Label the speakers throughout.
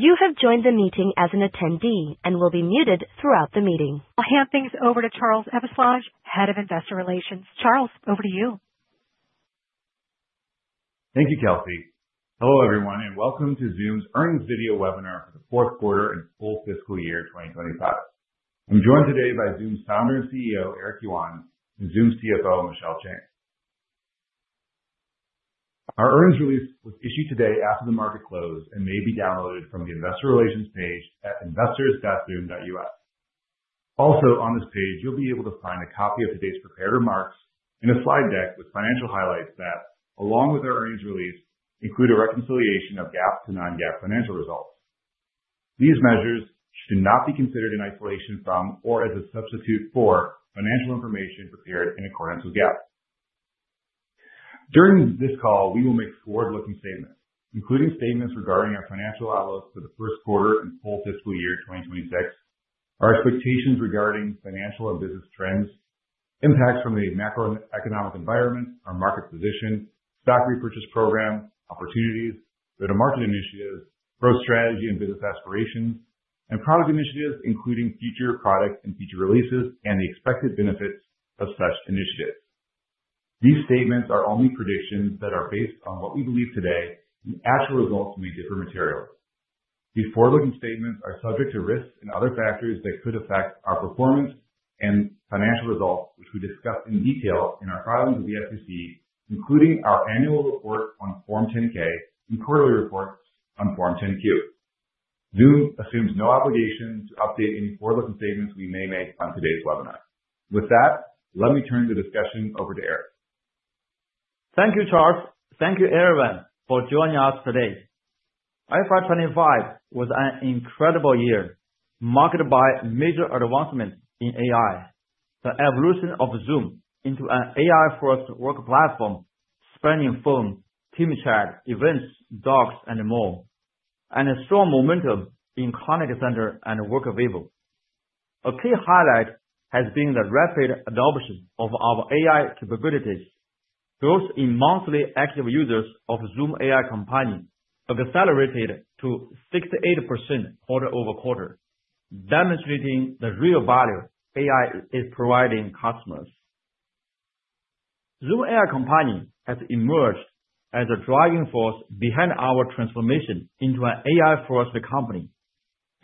Speaker 1: You have joined the meeting as an attendee and will be muted throughout the meeting. I'll hand things over to Charles Eveslage, Head of Investor Relations. Charles, over to you.
Speaker 2: Thank you, Kelsey. Hello, everyone, and welcome to Zoom's Earnings Video Webinar for the fourth quarter and full fiscal year 2025. I'm joined today by Zoom's Founder and CEO, Eric Yuan, and Zoom's CFO, Michelle Chang. Our earnings release was issued today after the market closed and may be downloaded from the Investor Relations page at investors.zoom.us. Also, on this page, you'll be able to find a copy of today's prepared remarks and a slide deck with financial highlights that, along with our earnings release, include a reconciliation of GAAP to non-GAAP financial results. These measures should not be considered in isolation from or as a substitute for financial information prepared in accordance with GAAP. During this call, we will make forward-looking statements, including statements regarding our financial outlook for the first quarter and full fiscal year 2026, our expectations regarding financial and business trends, impacts from the macroeconomic environment, our market position, stock repurchase program opportunities, go-to-market initiatives, growth strategy and business aspirations, and product initiatives, including future product and feature releases and the expected benefits of such initiatives. These statements are only predictions that are based on what we believe today, and actual results may differ materially. These forward-looking statements are subject to risks and other factors that could affect our performance and financial results, which we discuss in detail in our filings with the SEC, including our annual report on Form 10-K and quarterly reports on Form 10-Q. Zoom assumes no obligation to update any forward-looking statements we may make on today's webinar. With that, let me turn the discussion over to Eric.
Speaker 3: Thank you, Charles. Thank you, everyone, for joining us today. 2025 was an incredible year marked by major advancements in AI, the evolution of Zoom into an AI-first work platform spanning phone, team chat, events, docs, and more, and a strong momentum in contact center and Workvivo. A key highlight has been the rapid adoption of our AI capabilities. Growth in monthly active users of Zoom AI Companion accelerated to 68% quarter over quarter, demonstrating the real value AI is providing customers. Zoom AI Companion has emerged as a driving force behind our transformation into an AI-first company,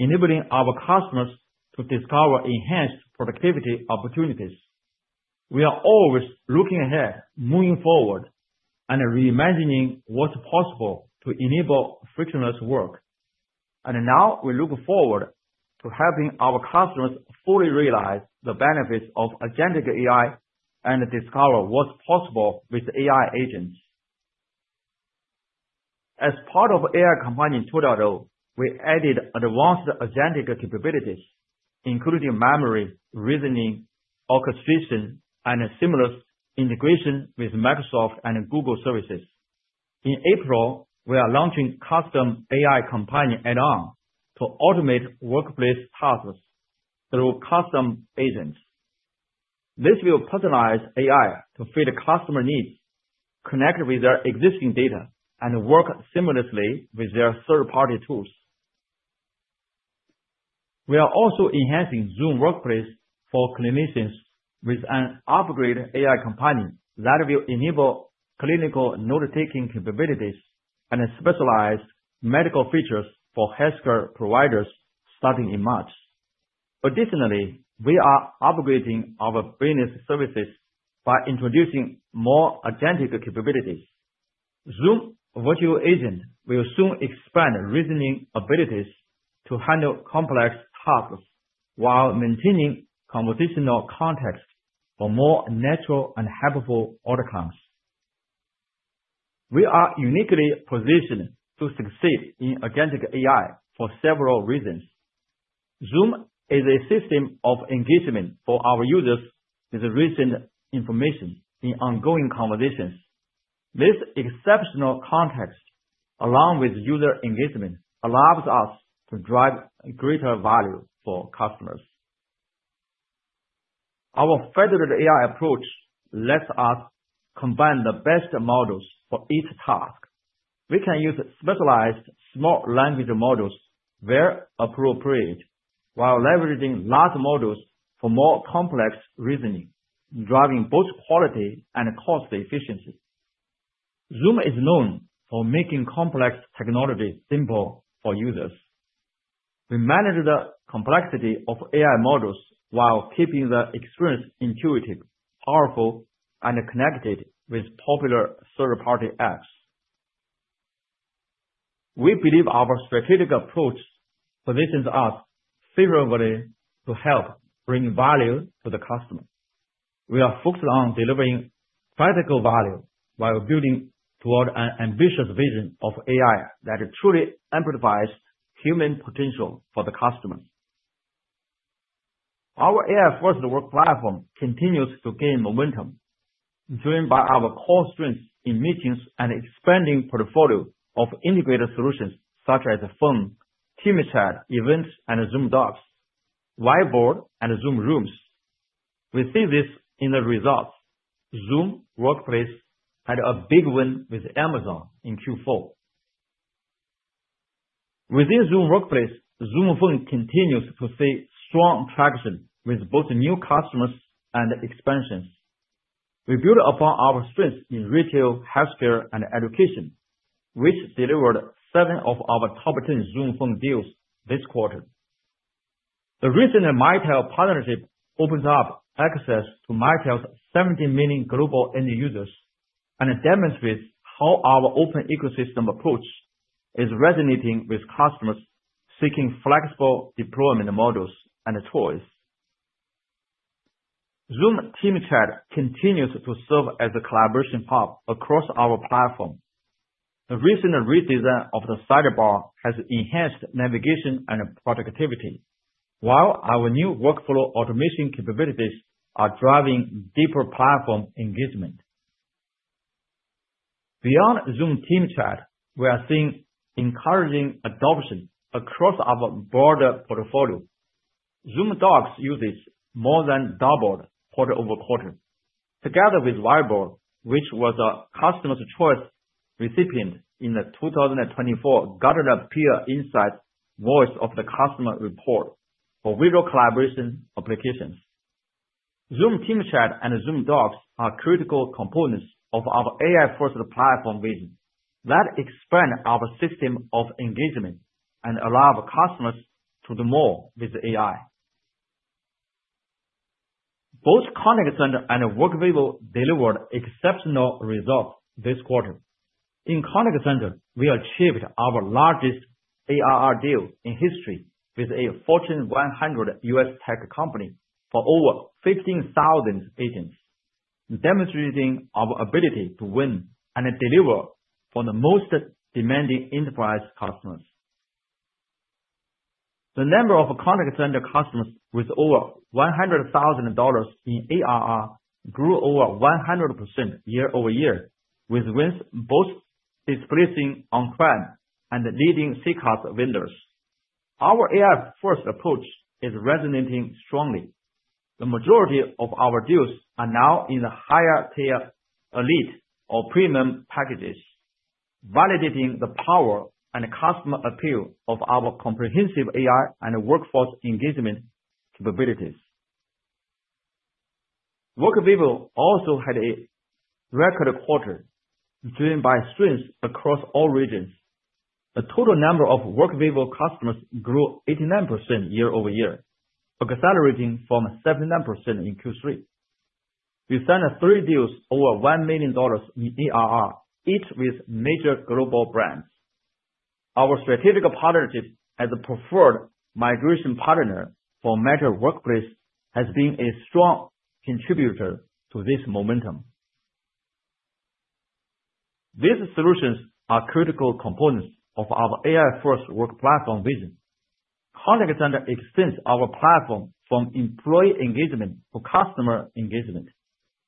Speaker 3: enabling our customers to discover enhanced productivity opportunities. We are always looking ahead, moving forward, and reimagining what's possible to enable frictionless work. Now we look forward to helping our customers fully realize the benefits of agentic AI and discover what's possible with AI agents. As part of Zoom AI Companion 2.0, we added advanced agentic capabilities, including memory, reasoning, orchestration, and seamless integration with Microsoft and Google services. In April, we are launching custom Zoom AI Companion add-on to automate workplace tasks through custom agents. This will personalize AI to fit customer needs, connect with their existing data, and work seamlessly with their third-party tools. We are also enhancing Zoom Workplace for clinicians with an upgraded Zoom AI Companion that will enable clinical note-taking capabilities and specialized medical features for healthcare providers starting in March. Additionally, we are upgrading our business services by introducing more agentic capabilities. Zoom Virtual Agent will soon expand reasoning abilities to handle complex tasks while maintaining conversational context for more natural and helpful outcomes. We are uniquely positioned to succeed in agentic AI for several reasons. Zoom is a system of engagement for our users with recent information in ongoing conversations. This exceptional context, along with user engagement, allows us to drive greater value for customers. Our federated AI approach lets us combine the best models for each task. We can use specialized small language models where appropriate while leveraging large models for more complex reasoning, driving both quality and cost efficiency. Zoom is known for making complex technology simple for users. We manage the complexity of AI models while keeping the experience intuitive, powerful, and connected with popular third-party apps. We believe our strategic approach positions us favorably to help bring value to the customer. We are focused on delivering practical value while building toward an ambitious vision of AI that truly amplifies human potential for the customer. Our AI-first work platform continues to gain momentum, driven by our core strengths in meetings and expanding portfolio of integrated solutions such as phone, team chat, events, and Zoom Docs, Whiteboard, and Zoom Rooms. We see this in the results. Zoom Workplace had a big win with Amazon in Q4. Within Zoom Workplace, Zoom Phone continues to see strong traction with both new customers and expansions. We build upon our strengths in retail, healthcare, and education, which delivered seven of our top 10 Zoom Phone deals this quarter. The recent Mitel partnership opens up access to Mitel's 70 million global end users and demonstrates how our open ecosystem approach is resonating with customers seeking flexible deployment models and tools. Zoom Team Chat continues to serve as a collaboration hub across our platform. The recent redesign of the sidebar has enhanced navigation and productivity, while our new workflow automation capabilities are driving deeper platform engagement. Beyond Zoom Team Chat, we are seeing encouraging adoption across our broader portfolio. Zoom Docs usage more than doubled quarter-over-quarter. Together with Whiteboard, which was a Customers' Choice recipient in the 2024 Gartner Peer Insights Voice of the Customer report for video collaboration applications. Zoom Team Chat and Zoom Docs are critical components of our AI-first platform vision that expand our system of engagement and allow customers to do more with AI. Both contact center and Workvivo delivered exceptional results this quarter. In contact center, we achieved our largest ARR deal in history with a Fortune 100 U.S. tech company for over 15,000 agents, demonstrating our ability to win and deliver for the most demanding enterprise customers. The number of contact center customers with over $100,000 in ARR grew over 100% year-over-year, with wins both displacing on-prem and leading CCaaS vendors. Our AI-first approach is resonating strongly. The majority of our deals are now in the higher-tier elite or premium packages, validating the power and customer appeal of our comprehensive AI and workforce engagement capabilities. Workvivo also had a record quarter, driven by strengths across all regions. The total number of Workvivo customers grew 89% year-over-year, accelerating from 79% in Q3. We signed three deals over $1 million in ARR, each with major global brands. Our strategic partnership as a preferred migration partner for Meta Workplace has been a strong contributor to this momentum. These solutions are critical components of our AI-first work platform vision. contact center extends our platform from employee engagement to customer engagement,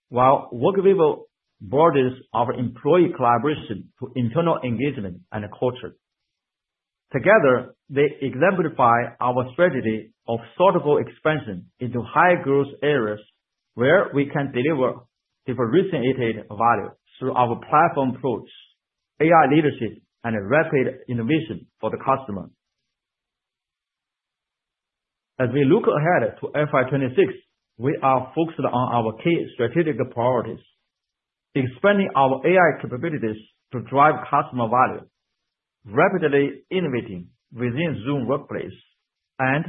Speaker 3: while Workvivo broadens our employee collaboration to internal engagement and culture. Together, they exemplify our strategy of sort of expansion into high-growth areas where we can deliver differentiated value through our platform approach, AI leadership, and rapid innovation for the customer. As we look ahead to FY2026, we are focused on our key strategic priorities: expanding our AI capabilities to drive customer value, rapidly innovating within Zoom Workplace, and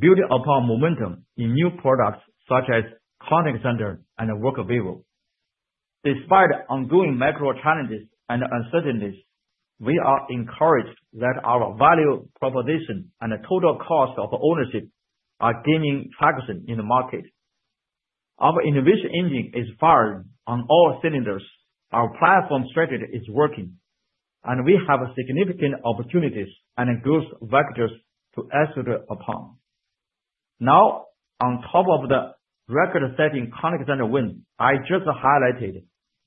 Speaker 3: building upon momentum in new products such as contact center and Workvivo. Despite ongoing macro challenges and uncertainties, we are encouraged that our value proposition and total cost of ownership are gaining traction in the market. Our innovation engine is firing on all cylinders, our platform strategy is working, and we have significant opportunities and growth vectors to excel upon. Now, on top of the record-setting contact center win I just highlighted,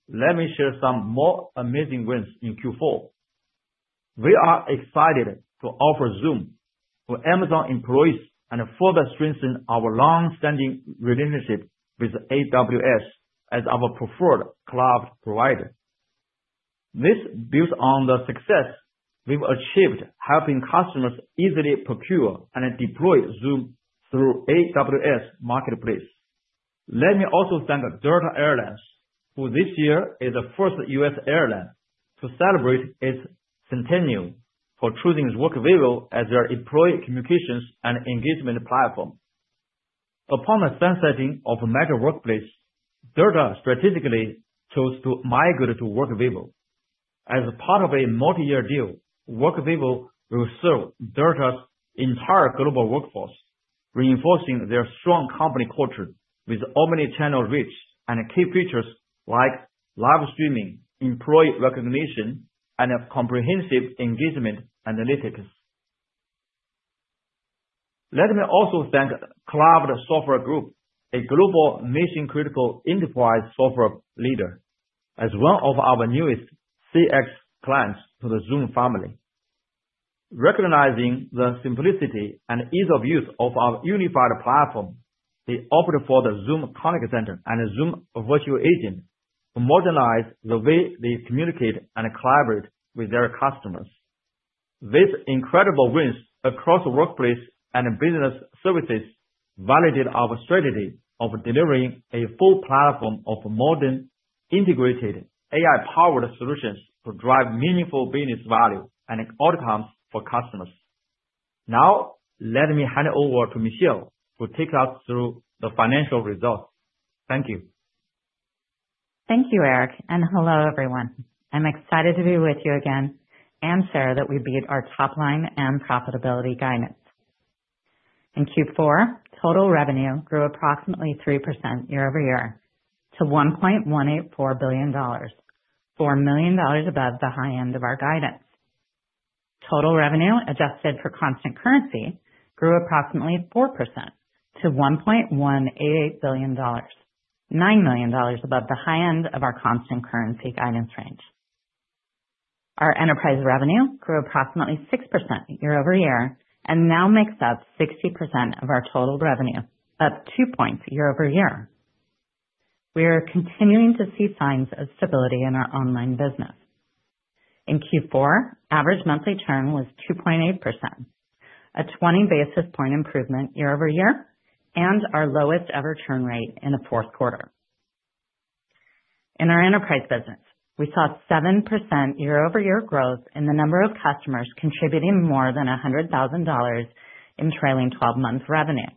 Speaker 3: let me share some more amazing wins in Q4. We are excited to offer Zoom to Amazon employees and further strengthen our long-standing relationship with AWS as our preferred cloud provider. This builds on the success we've achieved helping customers easily procure and deploy Zoom through AWS Marketplace. Let me also thank Delta Air Lines, who this year is the first US airline to celebrate its centennial for choosing Workvivo as their employee communications and engagement platform. Upon the sunsetting of Meta Workplace, Delta strategically chose to migrate to Workvivo. As part of a multi-year deal, Workvivo will serve Delta's entire global workforce, reinforcing their strong company culture with omnichannel reach and key features like live streaming, employee recognition, and comprehensive engagement analytics. Let me also thank Cloud Software Group, a global mission-critical enterprise software leader, as one of our newest CX clients to the Zoom family. Recognizing the simplicity and ease of use of our unified platform, they opted for the Zoom Contact Center and Zoom Virtual Agent to modernize the way they communicate and collaborate with their customers. These incredible wins across workplace and business services validate our strategy of delivering a full platform of modern, integrated, AI-powered solutions to drive meaningful business value and outcomes for customers. Now, let me hand it over to Michelle, who takes us through the financial results. Thank you.
Speaker 4: Thank you, Eric, and hello, everyone. I'm excited to be with you again and share that we beat our top line and profitability guidance. In Q4, total revenue grew approximately 3% year-over-year to $1.184 billion, $4 million above the high end of our guidance. Total revenue, adjusted for constant currency, grew approximately 4% to $1.188 billion, $9 million above the high end of our constant currency guidance range. Our enterprise revenue grew approximately 6% year-over-year and now makes up 60% of our total revenue, up 2 points year-over-year. We are continuing to see signs of stability in our online business. In Q4, average monthly churn was 2.8%, a 20 basis point improvement year-over-year, and our lowest ever churn rate in the fourth quarter. In our enterprise business, we saw 7% year-over-year growth in the number of customers contributing more than $100,000 in trailing 12-month revenue.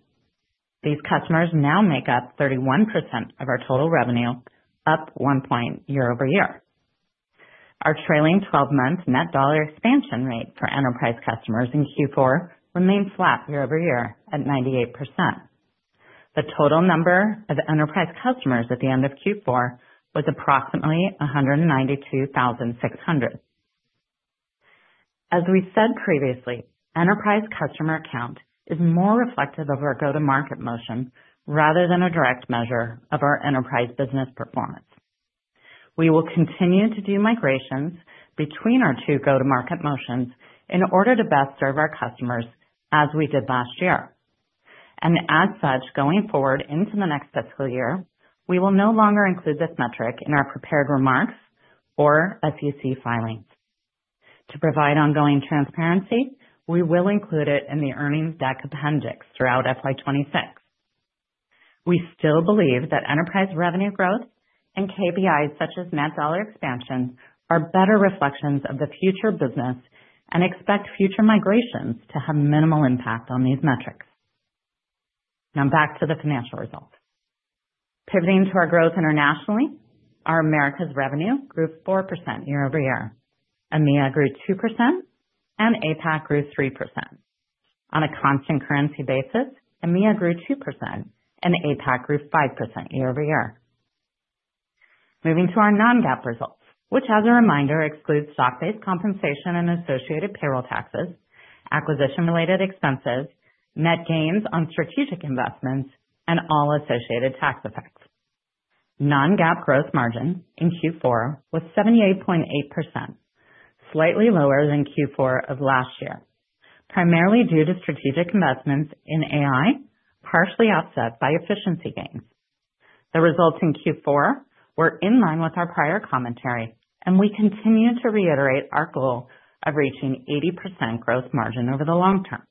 Speaker 4: These customers now make up 31% of our total revenue, up 1 point year-over-year. Our trailing 12-month net dollar expansion rate for enterprise customers in Q4 remained flat year-over-year at 98%. The total number of enterprise customers at the end of Q4 was approximately 192,600. As we said previously, enterprise customer account is more reflective of our go-to-market motion rather than a direct measure of our enterprise business performance. We will continue to do migrations between our two go-to-market motions in order to best serve our customers as we did last year. And as such, going forward into the next fiscal year, we will no longer include this metric in our prepared remarks or SEC filings. To provide ongoing transparency, we will include it in the earnings deck appendix throughout FY 2026. We still believe that enterprise revenue growth and KPIs such as net dollar expansion are better reflections of the future business and expect future migrations to have minimal impact on these metrics. Now, back to the financial results. Pivoting to our growth internationally, our Americas revenue grew 4% year-over-year. EMEA grew 2%, and APAC grew 3%. On a constant currency basis, EMEA grew 2%, and APAC grew 5% year-over-year. Moving to our Non-GAAP results, which, as a reminder, excludes stock-based compensation and associated payroll taxes, acquisition-related expenses, net gains on strategic investments, and all associated tax effects. Non-GAAP gross margin in Q4 was 78.8%, slightly lower than Q4 of last year, primarily due to strategic investments in AI partially offset by efficiency gains. The results in Q4 were in line with our prior commentary, and we continue to reiterate our goal of reaching 80% gross margin over the long term.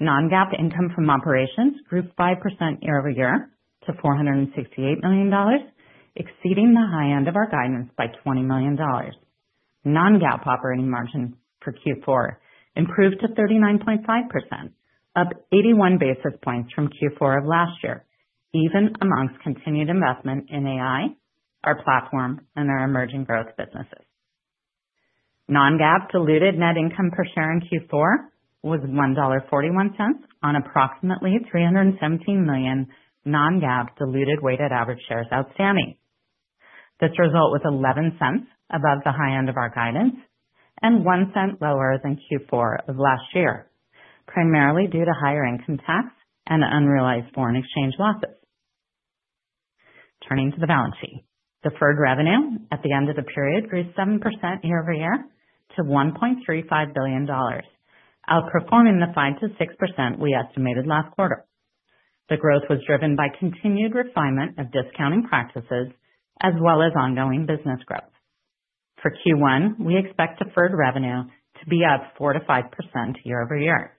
Speaker 4: Non-GAAP income from operations grew 5% year-over-year to $468 million, exceeding the high end of our guidance by $20 million. Non-GAAP operating margin for Q4 improved to 39.5%, up 81 basis points from Q4 of last year, even amongst continued investment in AI, our platform, and our emerging growth businesses. Non-GAAP diluted net income per share in Q4 was $1.41 on approximately 317 million non-GAAP diluted weighted average shares outstanding. This result was $0.11 above the high end of our guidance and $0.01 lower than Q4 of last year, primarily due to higher income tax and unrealized foreign exchange losses. Turning to the balance sheet, deferred revenue at the end of the period grew 7% year-over-year to $1.35 billion, outperforming the 5%-6% we estimated last quarter. The growth was driven by continued refinement of discounting practices as well as ongoing business growth. For Q1, we expect deferred revenue to be up 4%-5% year-over-year.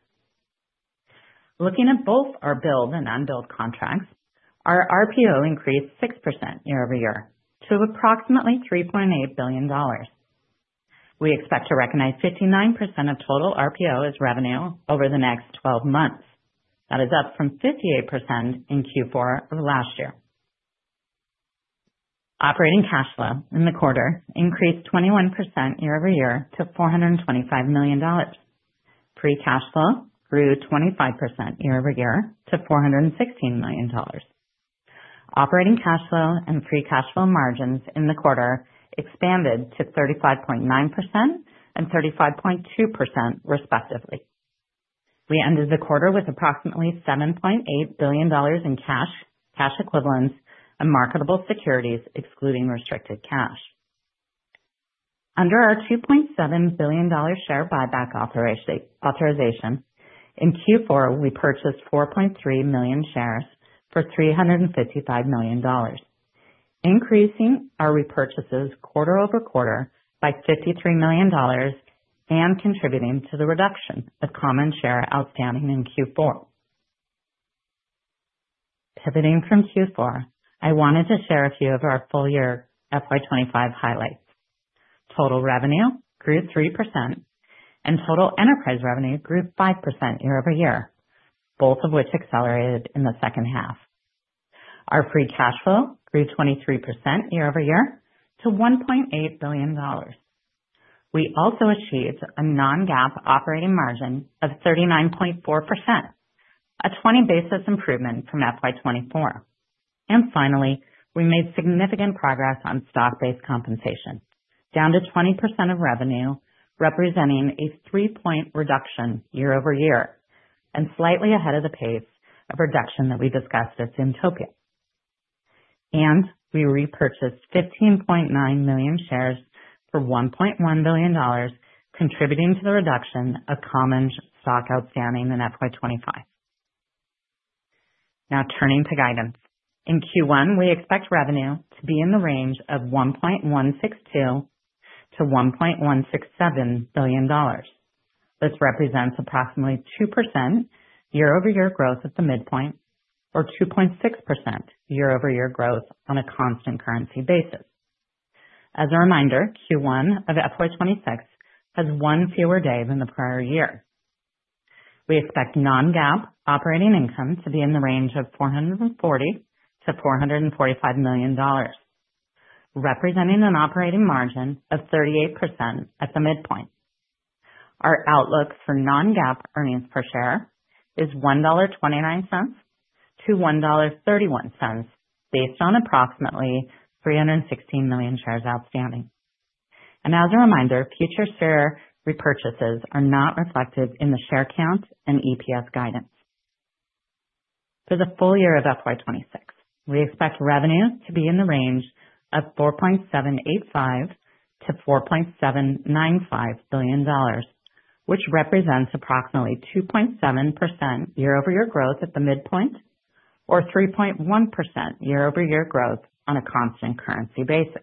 Speaker 4: Looking at both our billed and unbilled contracts, our RPO increased 6% year-over-year to approximately $3.8 billion. We expect to recognize 59% of total RPO as revenue over the next 12 months. That is up from 58% in Q4 of last year. Operating cash flow in the quarter increased 21% year-over-year to $425 million. Free cash flow grew 25% year-over-year to $416 million. Operating cash flow and free cash flow margins in the quarter expanded to 35.9% and 35.2%, respectively. We ended the quarter with approximately $7.8 billion in cash, cash equivalents, and marketable securities, excluding restricted cash. Under our $2.7 billion share buyback authorization, in Q4, we purchased 4.3 million shares for $355 million, increasing our repurchases quarter over quarter by $53 million and contributing to the reduction of common shares outstanding in Q4. Pivoting from Q4, I wanted to share a few of our full-year FY 2025 highlights. Total revenue grew 3%, and total enterprise revenue grew 5% year-over-year, both of which accelerated in the second half. Our free cash flow grew 23% year-over-year to $1.8 billion. We also achieved a non-GAAP operating margin of 39.4%, a 20 basis points improvement from FY 2024. And finally, we made significant progress on stock-based compensation, down to 20% of revenue, representing a 3-point reduction year-over-year, and slightly ahead of the pace of reduction that we discussed at Zoomtopia. And we repurchased 15.9 million shares for $1.1 billion, contributing to the reduction of common stock outstanding in FY 2025. Now, turning to guidance. In Q1, we expect revenue to be in the range of $1.162-$1.167 billion. This represents approximately 2% year-over-year growth at the midpoint, or 2.6% year-over-year growth on a constant currency basis. As a reminder, Q1 of FY 2026 has one fewer day than the prior year. We expect non-GAAP operating income to be in the range of $440-$445 million, representing an operating margin of 38% at the midpoint. Our outlook for non-GAAP earnings per share is $1.29-$1.31, based on approximately 316 million shares outstanding. And as a reminder, future share repurchases are not reflected in the share count and EPS guidance. For the full year of FY 2026, we expect revenues to be in the range of $4.785-$4.795 billion, which represents approximately 2.7% year-over-year growth at the midpoint, or 3.1% year-over-year growth on a constant currency basis.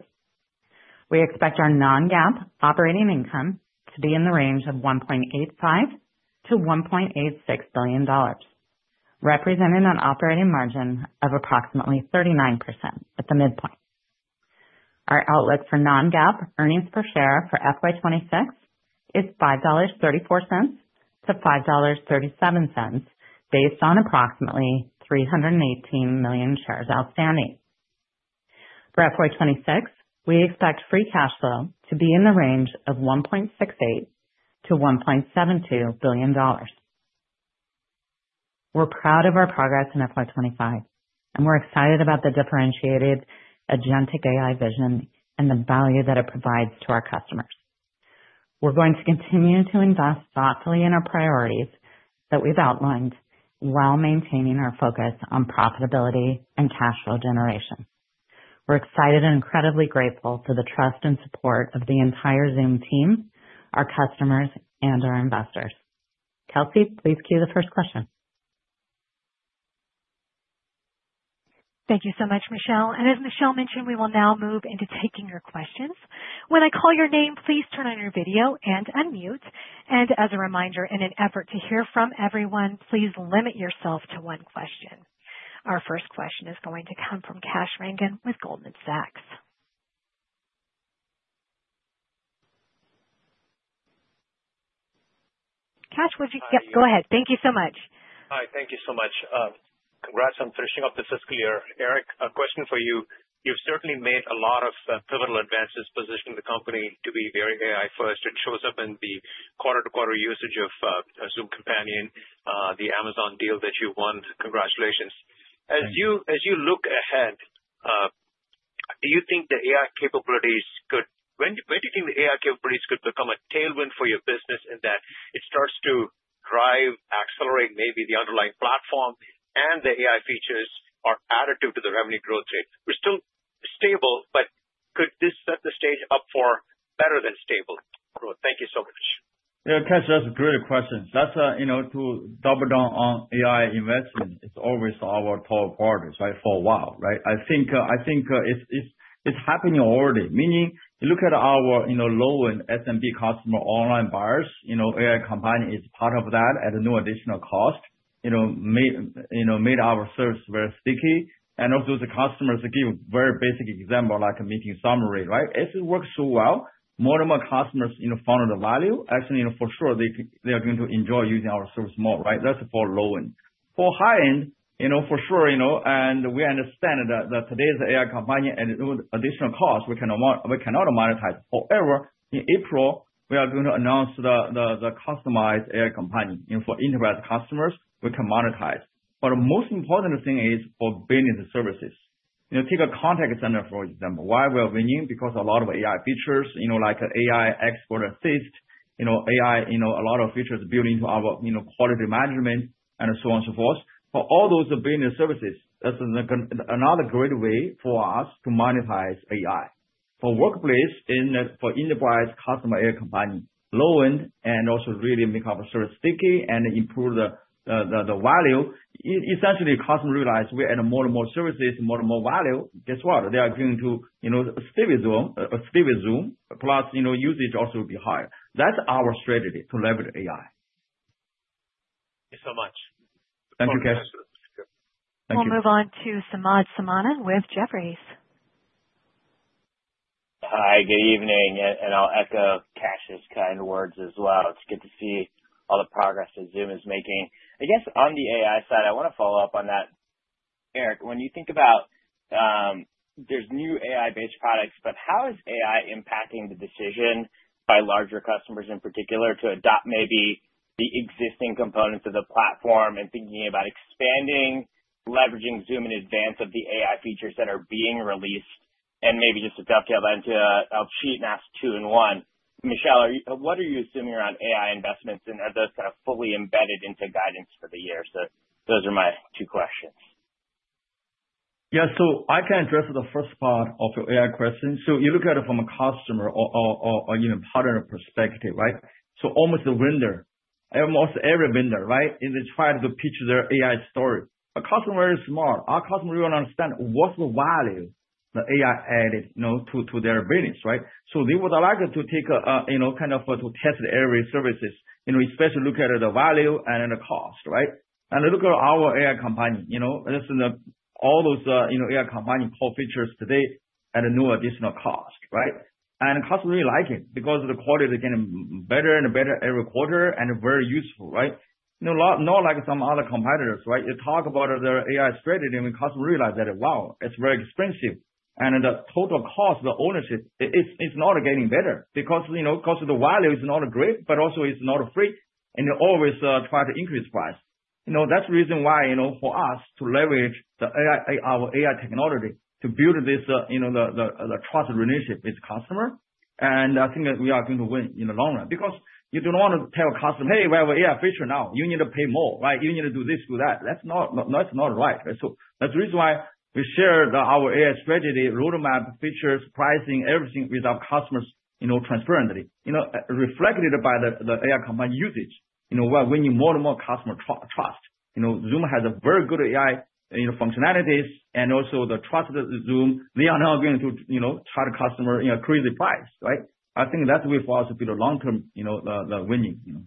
Speaker 4: We expect our non-GAAP operating income to be in the range of $1.85-$1.86 billion, representing an operating margin of approximately 39% at the midpoint. Our outlook for non-GAAP earnings per share for FY 2026 is $5.34-$5.37, based on approximately 318 million shares outstanding. For FY 2026, we expect free cash flow to be in the range of $1.68-$1.72 billion. We're proud of our progress in FY 2025, and we're excited about the differentiated agentic AI vision and the value that it provides to our customers. We're going to continue to invest thoughtfully in our priorities that we've outlined while maintaining our focus on profitability and cash flow generation. We're excited and incredibly grateful for the trust and support of the entire Zoom team, our customers, and our investors. Kelsey, please cue the first question.
Speaker 5: Thank you so much, Michelle. And as Michelle mentioned, we will now move into taking your questions. When I call your name, please turn on your video and unmute. And as a reminder, in an effort to hear from everyone, please limit yourself to one question. Our first question is going to come from Kash Rangan with Goldman Sachs. Kash, would you? Yep, go ahead. Thank you so much.
Speaker 6: Hi, thank you so much. Congrats on finishing up the fiscal year. Eric, a question for you. You've certainly made a lot of pivotal advances positioning the company to be very AI-first. It shows up in the quarter-to-quarter usage of Zoom AI Companion, the Amazon deal that you won. Congratulations. As you look ahead, when do you think the AI capabilities could become a tailwind for your business in that it starts to drive, accelerate maybe the underlying platform, and the AI features are additive to the revenue growth rate? We're still stable, but could this set the stage up for better than stable growth? Thank you so much.
Speaker 3: Yeah, Kash, that's a great question. That's to double down on AI investment. It's always our top priority, right, for a while, right? I think it's happening already, meaning you look at our low-end SMB customer online buyers, AI Companion is part of that at a new additional cost, made our service very sticky. And also the customers give a very basic example, like a meeting summary, right? If it works so well, more and more customers found the value, actually, for sure, they are going to enjoy using our service more, right? That's for low-end. For high-end, for sure, and we understand that today's AI Companion and additional cost, we cannot monetize. However, in April, we are going to announce the customized AI Companion for enterprise customers. We can monetize. But the most important thing is for business services. Take a contact center, for example. Why we are winning? Because a lot of AI features, like AI Expert Assist, AI, a lot of features built into our quality management, and so on and so forth. For all those business services, that's another great way for us to monetize AI. For workplace, for enterprise customer AI Companion, low-end, and also really make our service sticky and improve the value. Essentially, customers realize we add more and more services, more and more value. Guess what? They are going to stay with Zoom, plus usage also will be higher. That's our strategy to leverage AI.
Speaker 6: Thank you so much.
Speaker 3: Thank you, Kash.
Speaker 5: We'll move on to Samad Samana with Jefferies.
Speaker 7: Hi, good evening, and I'll echo Kash's kind words as well. It's good to see all the progress that Zoom is making. I guess on the AI side, I want to follow up on that. Eric, when you think about there's new AI-based products, but how is AI impacting the decision by larger customers in particular to adopt maybe the existing components of the platform and thinking about expanding, leveraging Zoom in advance of the AI features that are being released, and maybe just to dovetail that into a cheat and ask two in one, Michelle, what are you assuming around AI investments, and are those kind of fully embedded into guidance for the year, so those are my two questions.
Speaker 3: Yeah, so I can address the first part of your AI question. So you look at it from a customer or even partner perspective, right? So almost the vendor, almost every vendor, right, and they try to pitch their AI story. Our customer is smart. Our customer really wants to understand what's the value the AI added to their business, right? So they would like to take kind of to test every service, especially look at the value and the cost, right? And look at our AI Companion. All those AI Companion core features today at no additional cost, right? And customers really like it because the quality is getting better and better every quarter and very useful, right? Not like some other competitors, right? You talk about their AI strategy, and customers realize that, wow, it's very expensive. And the total cost of ownership, it's not getting better because the value is not great, but also it's not free, and they always try to increase price. That's the reason why for us to leverage our AI technology to build the trust relationship with customers. And I think we are going to win in the long run because you don't want to tell a customer, "Hey, we have an AI feature now. You need to pay more," right? "You need to do this, do that." That's not right. So that's the reason why we share our AI strategy, roadmap, features, pricing, everything with our customers transparently, reflected by the AI Companion usage. We need more and more customer trust. Zoom has very good AI functionalities, and also the trust of Zoom, they are now going to charge customers crazy price, right? I think that's the way for us to be the long-term winning.
Speaker 4: And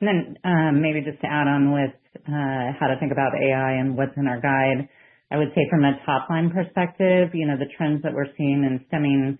Speaker 4: then maybe just to add on with how to think about AI and what's in our guide, I would say from a top-line perspective, the trends that we're seeing in stemming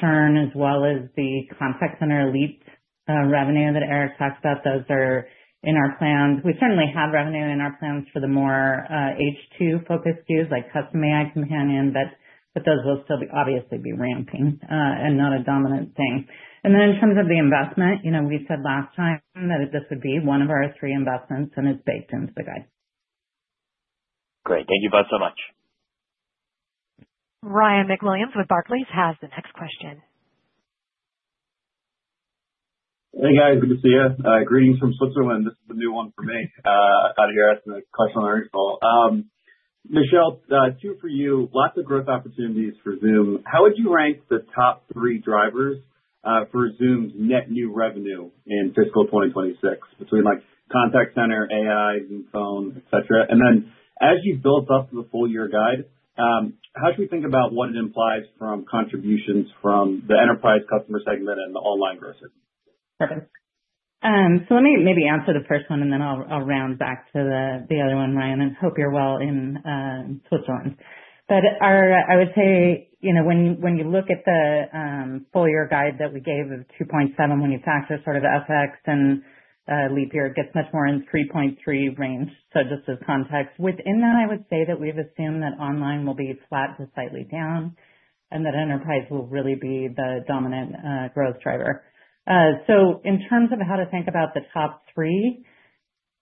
Speaker 4: churn as well as the contact center Elite revenue that Eric talked about, those are in our plans. We certainly have revenue in our plans for the more H2-focused use, like customer AI Companion, but those will still obviously be ramping and not a dominant thing. And then in terms of the investment, we said last time that this would be one of our three investments, and it's baked into the guide.
Speaker 7: Great. Thank you both so much.
Speaker 5: Ryan MacWilliams with Barclays has the next question.
Speaker 8: Hey, guys. Good to see you. Greetings from Switzerland. This is a new one for me. I got here asking a question on the original. Michelle, two for you. Lots of growth opportunities for Zoom. How would you rank the top three drivers for Zoom's net new revenue in fiscal 2026, between contact center, AI, Zoom Phone, etc.? And then as you build up the full-year guide, how should we think about what it implies from contributions from the enterprise customer segment and the online growth segment?
Speaker 4: Perfect. So let me maybe answer the first one, and then I'll round back to the other one, Ryan, and hope you're well in Switzerland. But I would say, when you look at the full-year guide that we gave of 2.7, when you factor sort of FX and leap year, it gets much more in the 3.3 range. So just as context, within that, I would say that we've assumed that online will be flat to slightly down, and that enterprise will really be the dominant growth driver. So in terms of how to think about the top three,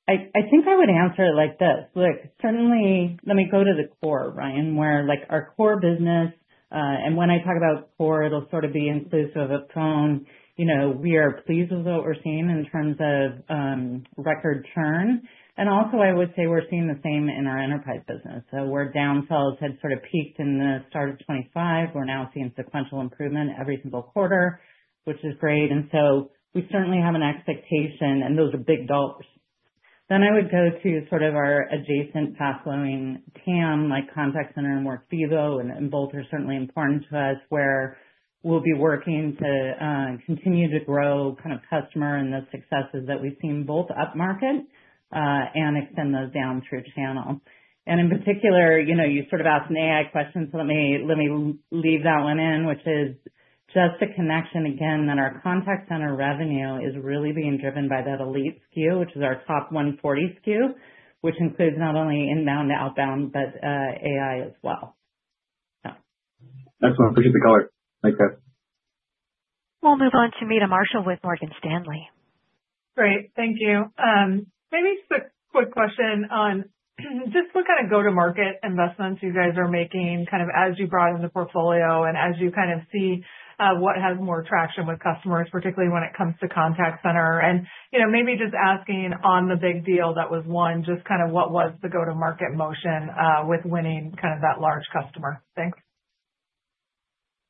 Speaker 4: I think I would answer it like this. Look, certainly, let me go to the core, Ryan, where our core business, and when I talk about core, it'll sort of be inclusive of phone. We are pleased with what we're seeing in terms of record churn. And also, I would say we're seeing the same in our enterprise business. So where downsell had sort of peaked in the start of 2025, we're now seeing sequential improvement every single quarter, which is great. And so we certainly have an expectation, and those are big dollars. Then I would go to sort of our adjacent fast-growing TAM, like contact center and Workvivo, and both are certainly important to us, where we'll be working to continue to grow kind of customer and the successes that we've seen both upmarket and extend those down through channel. And in particular, you sort of asked an AI question, so let me weave that one in, which is just a connection again that our contact center revenue is really being driven by that the elite SKU, which is our [top 140] SKU, which includes not only inbound, outbound, but AI as well.
Speaker 8: Excellent. Appreciate the color. Thanks, Kash.
Speaker 5: We'll move on to Meta Marshall with Morgan Stanley.
Speaker 9: Great. Thank you. Maybe just a quick question on just what kind of go-to-market investments you guys are making kind of as you broaden the portfolio and as you kind of see what has more traction with customers, particularly when it comes to contact center. And maybe just asking on the big deal that was one, just kind of what was the go-to-market motion with winning kind of that large customer? Thanks.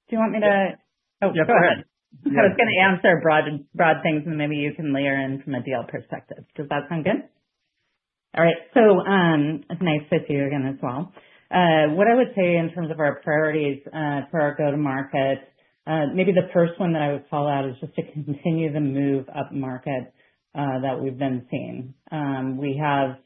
Speaker 4: Do you want me to?
Speaker 3: Yeah, go ahead.
Speaker 4: I was going to answer broad things, and maybe you can layer in from a deal perspective. Does that sound good? All right. So it's nice to see you again as well. What I would say in terms of our priorities for our go-to-market, maybe the first one that I would call out is just to continue the move up market that we've been seeing. We have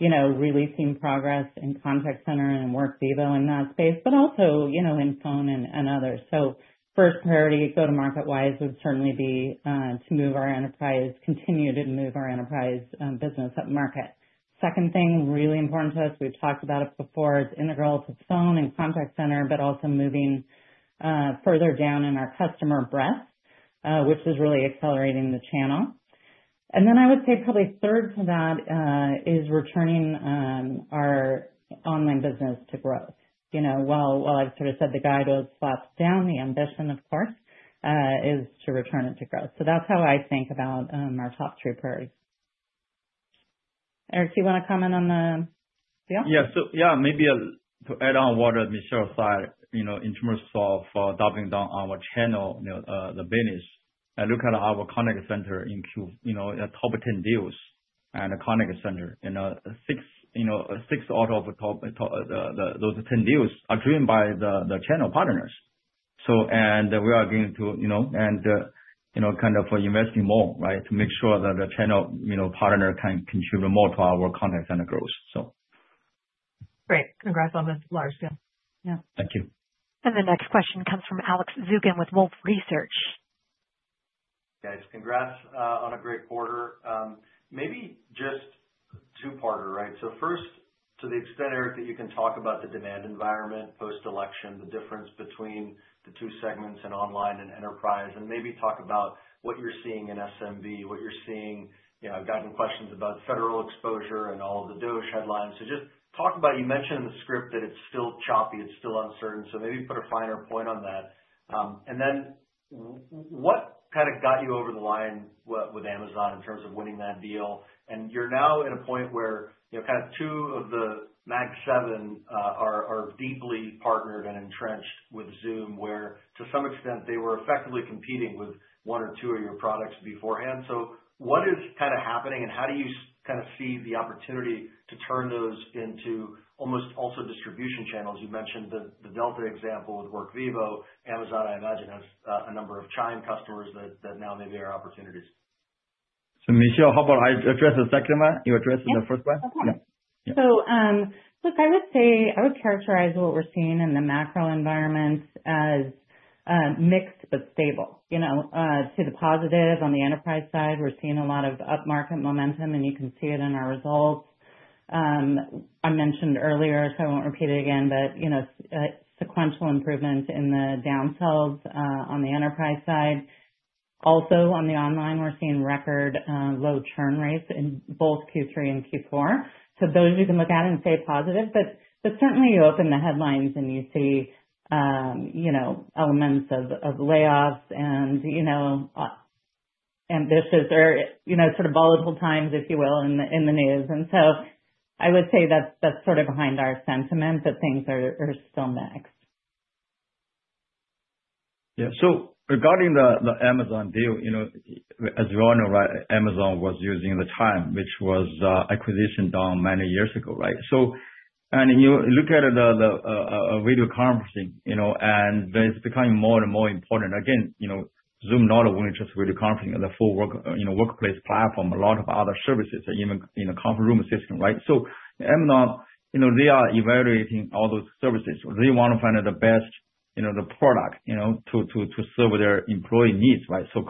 Speaker 4: really seen progress in contact center and Workvivo in that space, but also in phone and others. So first priority, go-to-market-wise, would certainly be to move our enterprise, continue to move our enterprise business up market. Second thing, really important to us, we've talked about it before, is integral to phone and contact center, but also moving further down in our customer breadth, which is really accelerating the channel. And then I would say probably third to that is returning our online business to growth. While I've sort of said the guide was flat down, the ambition, of course, is to return it to growth. So that's how I think about our top three priorities. Eric, do you want to comment on the deal?
Speaker 3: Yeah. So yeah, maybe to add on what Michelle said in terms of doubling down on our channel business, and look at our contact center. In Q, top 10 deals in the contact center. Six out of those 10 deals are driven by the channel partners. And we are going to kind of invest more, right, to make sure that the channel partners can contribute more to our contact center growth, so.
Speaker 9: Great. Congrats on the large scale. Yeah.
Speaker 3: Thank you.
Speaker 5: The next question comes from Alex Zukin with Wolfe Research.
Speaker 10: Guys, congrats on a great quarter. Maybe just a two-parter, right? First, to the extent, Eric, that you can talk about the demand environment post-election, the difference between the two segments, online and enterprise, and maybe talk about what you're seeing in SMB. I've gotten questions about federal exposure and all of the DOGE headlines. Just talk about what you mentioned in the script that it's still choppy, it's still uncertain. Maybe put a finer point on that. Then what kind of got you over the line with Amazon in terms of winning that deal? You're now at a point where kind of two of the Mag 7 are deeply partnered and entrenched with Zoom, where to some extent, they were effectively competing with one or two of your products beforehand. So what is kind of happening, and how do you kind of see the opportunity to turn those into almost also distribution channels? You mentioned the Delta example with Workvivo. Amazon, I imagine, has a number of Chime customers that now maybe are opportunities.
Speaker 3: So Michelle, how about I address the second one? You addressed the first one?
Speaker 4: Yeah. So look, I would say I would characterize what we're seeing in the macro environment as mixed but stable. To the positive, on the enterprise side, we're seeing a lot of upmarket momentum, and you can see it in our results. I mentioned earlier, so I won't repeat it again, but sequential improvements in the downsell on the enterprise side. Also, on the online, we're seeing record low churn rates in both Q3 and Q4. So those you can look at and say positive, but certainly, you open the headlines and you see elements of layoffs and ambiguous or sort of volatile times, if you will, in the news. And so I would say that's sort of behind our sentiment that things are still mixed.
Speaker 3: Yeah. So regarding the Amazon deal, as you all know, Amazon was using the Chime, which was acquired many years ago, right? And you look at the video conferencing, and it's becoming more and more important. Again, Zoom not only just video conferencing, the full workplace platform, a lot of other services, even conference room assistant, right? So Amazon, they are evaluating all those services. They want to find the best product to serve their employee needs, right? So,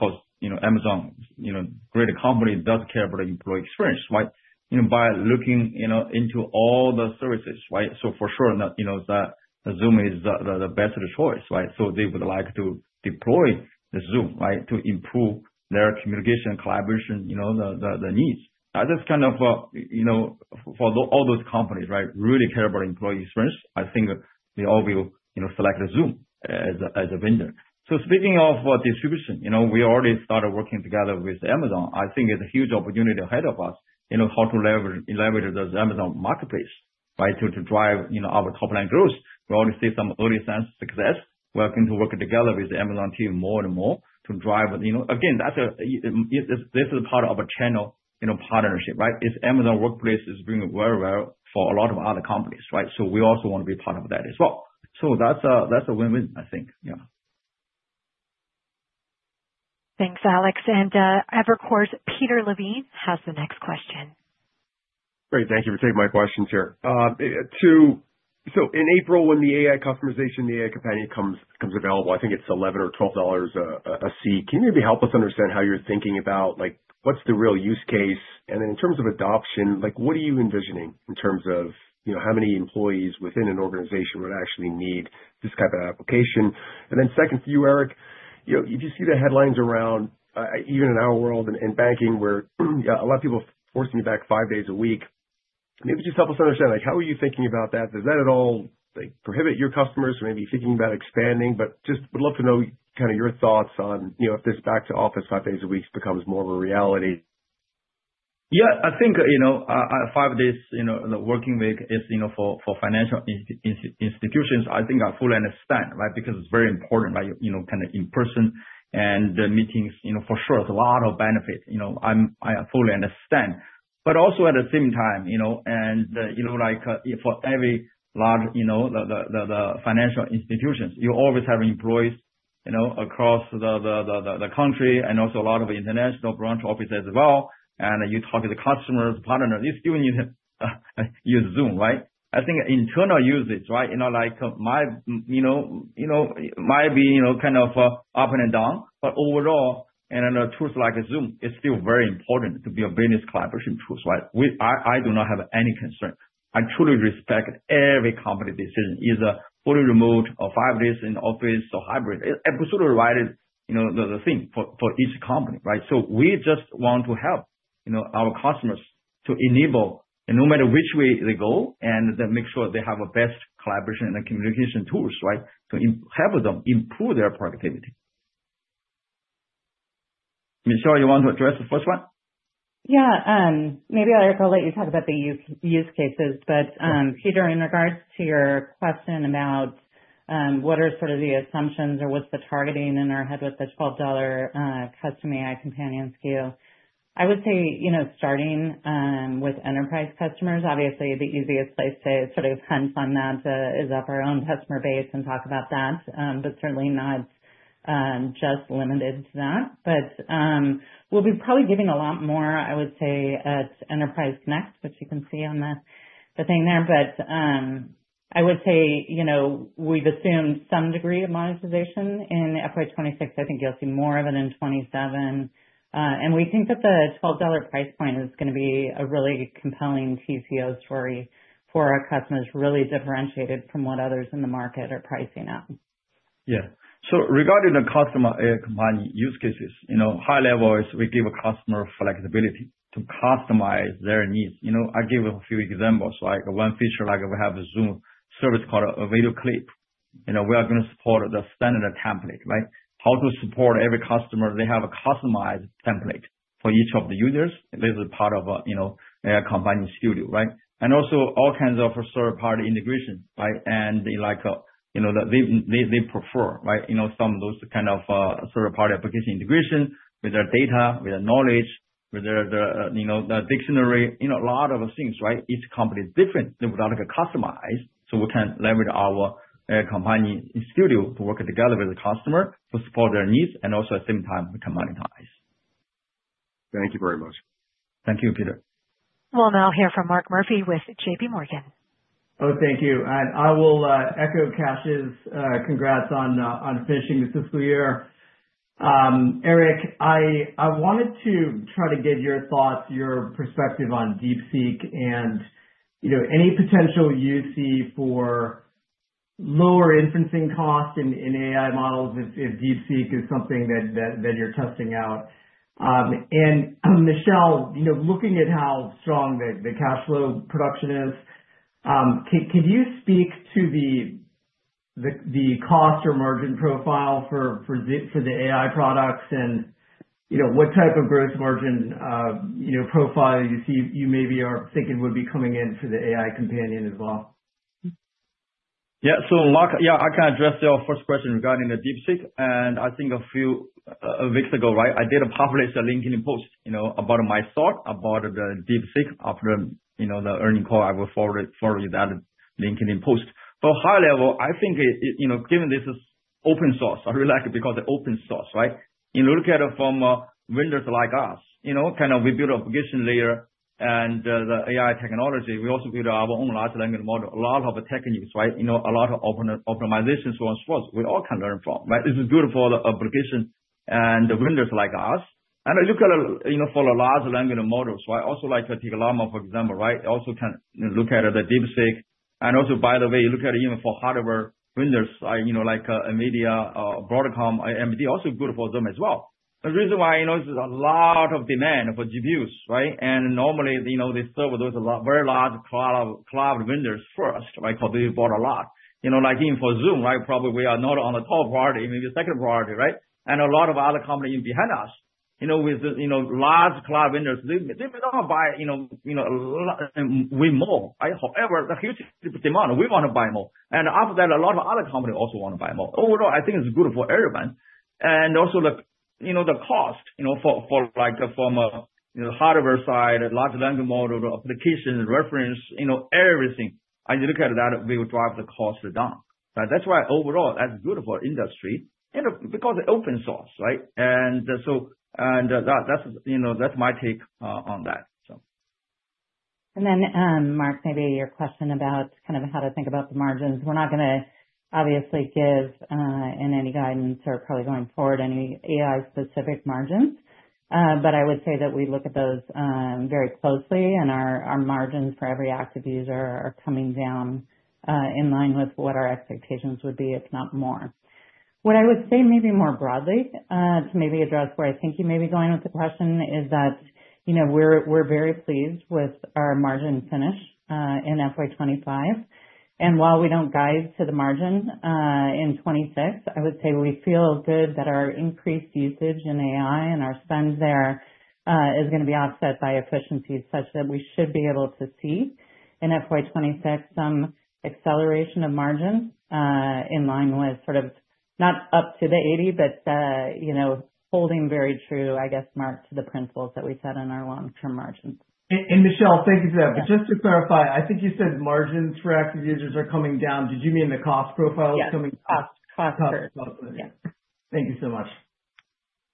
Speaker 3: Amazon, a great company does care about employee experience, right? By looking into all the services, right? So for sure, Zoom is the best choice, right? So they would like to deploy Zoom, right, to improve their communication, collaboration, the needs. I just kind of, for all those companies, right, really care about employee experience. I think they all will select Zoom as a vendor. So speaking of distribution, we already started working together with Amazon. I think it's a huge opportunity ahead of us, how to leverage the Amazon marketplace, right, to drive our top-line growth. We already see some early success. We're going to work together with the Amazon team more and more to drive. Again, this is part of a channel partnership, right? If Workplace is doing very well for a lot of other companies, right? So we also want to be part of that as well. So that's a win-win, I think. Yeah.
Speaker 5: Thanks, Alex. And Evercore's Peter Levine has the next question.
Speaker 11: Great. Thank you for taking my questions, sir. So in April, when the AI customization, the AI Companion comes available, I think it's $11 or $12 a seat. Can you maybe help us understand how you're thinking about what's the real use case? And then in terms of adoption, what are you envisioning in terms of how many employees within an organization would actually need this type of application? And then second for you, Eric, if you see the headlines around, even in our world and banking, where a lot of people force me back five days a week, maybe just help us understand how are you thinking about that? Does that at all prohibit your customers from maybe thinking about expanding? But just would love to know kind of your thoughts on if this back to office five days a week becomes more of a reality.
Speaker 3: Yeah. I think five days in the working week is for financial institutions. I think I fully understand, right, because it's very important, right, kind of in-person and the meetings. For sure, it's a lot of benefit. I fully understand. But also at the same time, and for every large financial institution, you always have employees across the country and also a lot of international branch offices as well. And you talk to the customers, partners, you still need to use Zoom, right? I think internal usage, right, like it might be kind of up and down, but overall, and then a tool like Zoom, it's still very important to be a business collaboration tool, right? I do not have any concern. I truly respect every company decision, either fully remote or five days in the office or hybrid. It's absolutely right, the thing for each company, right? So we just want to help our customers to enable, no matter which way they go, and then make sure they have the best collaboration and communication tools, right, to help them improve their productivity. Michelle, you want to address the first one?
Speaker 4: Yeah. Maybe, Eric, I'll let you talk about the use cases. But Peter, in regards to your question about what are sort of the assumptions or what's the targeting in our head with the $12 custom AI Companion SKU, I would say starting with enterprise customers, obviously, the easiest place to sort of hunt on that is up our own customer base and talk about that, but certainly not just limited to that. But we'll be probably giving a lot more, I would say, at Enterprise Connect, which you can see on the thing there. But I would say we've assumed some degree of monetization in FY 2026. I think you'll see more of it in 2027. And we think that the $12 price point is going to be a really compelling TCO story for our customers, really differentiated from what others in the market are pricing out.
Speaker 3: Yeah. So regarding the customer AI Companion use cases, high level is we give a customer flexibility to customize their needs. I gave a few examples. One feature, like we have a Zoom service called Video Clip. We are going to support the standard template, right? How to support every customer, they have a customized template for each of the users. This is part of AI Companion Studio, right? And also all kinds of third-party integration, right? And they prefer, right, some of those kind of third-party application integration with their data, with their knowledge, with their dictionary, a lot of things, right? Each company is different. They would like to customize. So we can leverage our AI Companion Studio to work together with the customer to support their needs and also at the same time we can monetize.
Speaker 11: Thank you very much.
Speaker 3: Thank you, Peter.
Speaker 5: We'll now hear from Mark Murphy with JPMorgan.
Speaker 12: Oh, thank you. I will echo Kash's congrats on finishing the fiscal year. Eric, I wanted to try to get your thoughts, your perspective on DeepSeek and any potential you see for lower inferencing cost in AI models if DeepSeek is something that you're testing out. Michelle, looking at how strong the cash flow production is, can you speak to the cost or margin profile for the AI products and what type of growth margin profile you see you maybe are thinking would be coming in for the AI Companion as well?
Speaker 3: Yeah. So yeah, I can address your first question regarding the DeepSeek. I think a few weeks ago, right, I did publish a LinkedIn post about my thought about the DeepSeek after the earnings call. I will forward you that LinkedIn post. But high level, I think given this is open source, I really like it because it's open source, right? You look at it from vendors like us, kind of we build application layer and the AI technology. We also build our own large language model, a lot of techniques, right? A lot of optimizations, so on and so forth, we all can learn from, right? It's good for the application and the vendors like us. I look at it for the large language models, right? Also like Llama, for example, right? Also can look at the DeepSeek. And also, by the way, look at it even for hardware vendors like Nvidia, Broadcom, AMD, also good for them as well. The reason why there's a lot of demand for GPUs, right? And normally, they serve those very large cloud vendors first, right? Because they bought a lot. Like even for Zoom, right, probably we are not on the top priority, maybe second priority, right? And a lot of other companies behind us with large cloud vendors, they may not buy way more, right? However, the huge demand, we want to buy more. And after that, a lot of other companies also want to buy more. Overall, I think it's good for everyone. And also the cost, from a hardware side, large language model, inference, everything. As you look at that, we will drive the cost down. That's why overall, that's good for industry because it's open source, right? And so that's my take on that, so.
Speaker 4: Then, Mark, maybe your question about kind of how to think about the margins. We're not going to obviously give in any guidance or probably going forward any AI-specific margins. But I would say that we look at those very closely, and our margins for every active user are coming down in line with what our expectations would be, if not more. What I would say maybe more broadly to maybe address where I think you may be going with the question is that we're very pleased with our margin finish in FY 2025. And while we don't guide to the margin in 2026, I would say we feel good that our increased usage in AI and our spend there is going to be offset by efficiencies such that we should be able to see in FY 2026 some acceleration of margins in line with sort of not up to the 80, but holding very true, I guess, Mark, to the principles that we set in our long-term margins.
Speaker 12: Michelle, thank you for that. Just to clarify, I think you said margins for active users are coming down. Did you mean the cost profile is coming down?
Speaker 4: Cost. Yeah
Speaker 12: Thank you so much.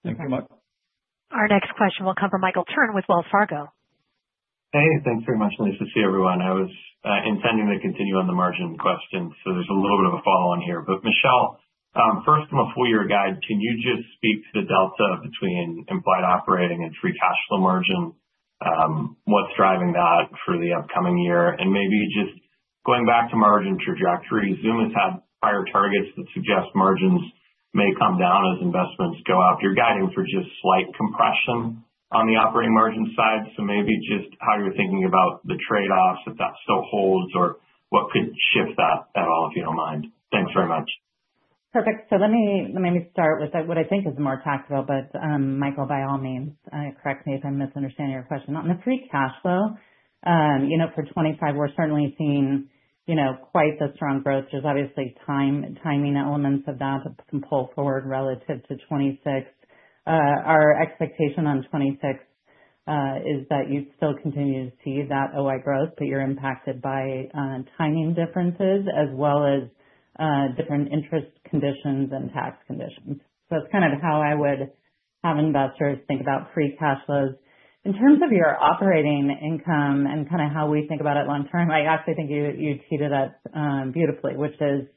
Speaker 3: Thank you, Mark.
Speaker 5: Our next question will come from Michael Turrin with Wells Fargo.
Speaker 13: Hey, thanks very much. [inaudible] See you, everyone. I was intending to continue on the margin question, so there's a little bit of a follow-on here. But Michelle, first, from a four-year guide, can you just speak to the delta between implied operating and free cash flow margin? What's driving that for the upcoming year? And maybe just going back to margin trajectory, Zoom has had prior targets that suggest margins may come down as investments go up. You're guiding for just slight compression on the operating margin side. So maybe just how you're thinking about the trade-offs, if that still holds, or what could shift that at all, if you don't mind. Thanks very much.
Speaker 4: Perfect. So let me start with what I think is more tactical, but Michael, by all means, correct me if I'm misunderstanding your question. On the free cash flow for 2025, we're certainly seeing quite the strong growth. There's obviously timing elements of that that can pull forward relative to 2026. Our expectation on 2026 is that you still continue to see that OI growth, but you're impacted by timing differences as well as different interest conditions and tax conditions. So that's kind of how I would have investors think about free cash flows. In terms of your operating income and kind of how we think about it long-term, I actually think you teed it up beautifully, which is,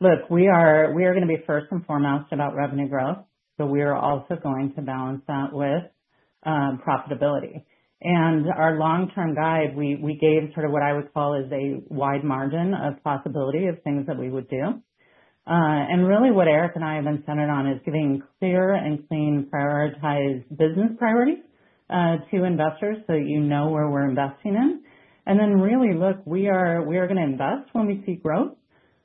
Speaker 4: look, we are going to be first and foremost about revenue growth, but we are also going to balance that with profitability. Our long-term guide, we gave sort of what I would call is a wide margin of possibility of things that we would do. Really what Eric and I have been centered on is giving clear and clean prioritized business priorities to investors so that you know where we're investing in. Then really, look, we are going to invest when we see growth,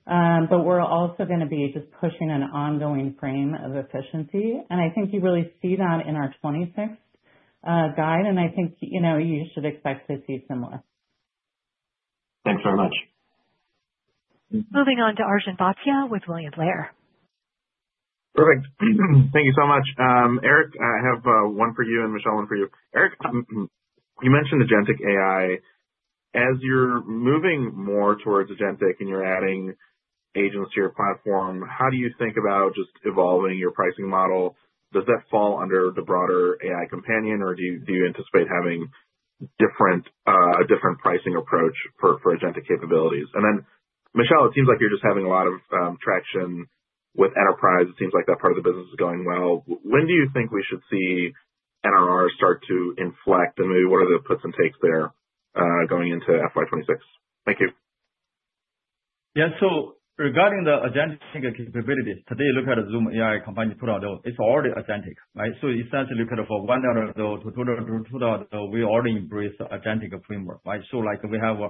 Speaker 4: but we're also going to be just pushing an ongoing frame of efficiency. I think you really see that in our 2026 guide, and I think you should expect to see similar.
Speaker 13: Thanks very much.
Speaker 5: Moving on to Arjun Bhatia with William Blair.
Speaker 14: Perfect. Thank you so much. Eric, I have one for you and Michelle, one for you. Eric, you mentioned Agentic AI. As you're moving more towards Agentic and you're adding agents to your platform, how do you think about just evolving your pricing model? Does that fall under the broader AI Companion, or do you anticipate having a different pricing approach for Agentic capabilities? And then, Michelle, it seems like you're just having a lot of traction with enterprise. It seems like that part of the business is going well. When do you think we should see NRR start to inflect, and maybe what are the puts and takes there going into FY 2026? Thank you.
Speaker 3: Yeah. So regarding the Agentic capabilities, today you look at Zoom AI Companion put out those, it's already Agentic, right? So essentially look at it for $1,000-$2,000, we already embrace the Agentic framework, right? So we have a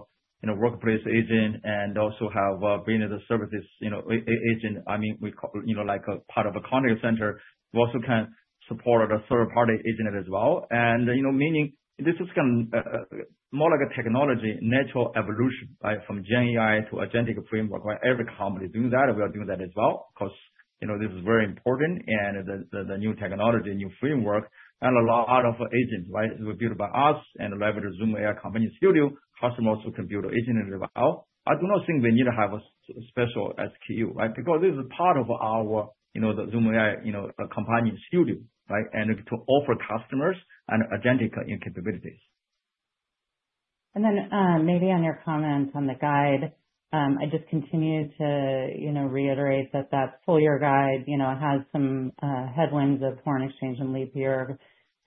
Speaker 3: workplace agent and also have business services agent. I mean, we call it like a part of a contact center. We also can support a third-party agent as well. And meaning this is kind of more like a technology, natural evolution, right, from GenAI to Agentic framework, right? Every company is doing that. We are doing that as well because this is very important and the new technology, new framework, and a lot of agents, right? We're built by us and leverage Zoom AI Companion Studio. Customers who can build agents as well. I do not think we need to have a special SKU, right? Because this is part of our Zoom AI Companion Studio, right? And to offer customers and agentic capabilities.
Speaker 4: And then, maybe on your comments on the guide, I just continue to reiterate that that full-year guide has some headwinds of foreign exchange and leap year,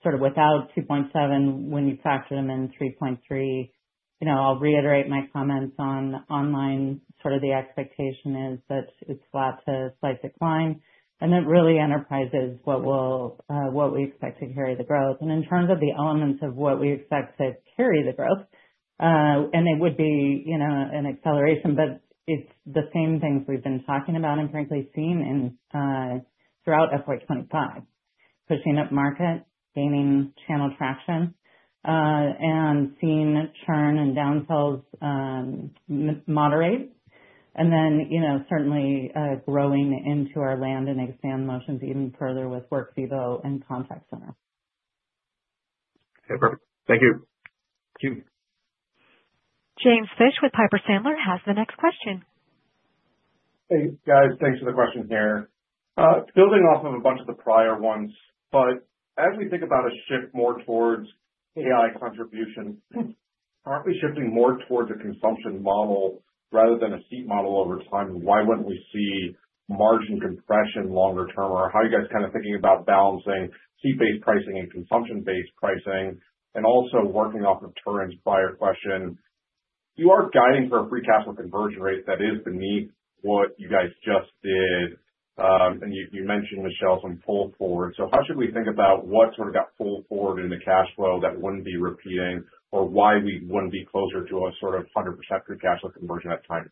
Speaker 4: sort of without 2.7; when you factor them in, 3.3. I'll reiterate my comments on online. Sort of the expectation is that it's flat to slight decline. Then really enterprise is what we expect to carry the growth. And in terms of the elements of what we expect to carry the growth, and it would be an acceleration, but it's the same things we've been talking about and frankly seen throughout FY 2025, pushing upmarket, gaining channel traction, and seeing churn and downsell moderate. And then certainly growing into our land-and-expand motions even further with Workvivo and contact center.
Speaker 14: Okay. Perfect. Thank you. James Fish with Piper Sandler has the next question.
Speaker 15: Hey, guys. Thanks for the question here. Building off of a bunch of the prior ones, but as we think about a shift more towards AI contribution, aren't we shifting more towards a consumption model rather than a seat model over time? And why wouldn't we see margin compression longer term? Or how are you guys kind of thinking about balancing seat-based pricing and consumption-based pricing? And also working off of Turrin's prior question, you are guiding for a free cash flow conversion rate that is beneath what you guys just did. And you mentioned, Michelle, some pull forward. So how should we think about what sort of got pulled forward in the cash flow that wouldn't be repeating or why we wouldn't be closer to a sort of 100% free cash flow conversion at time?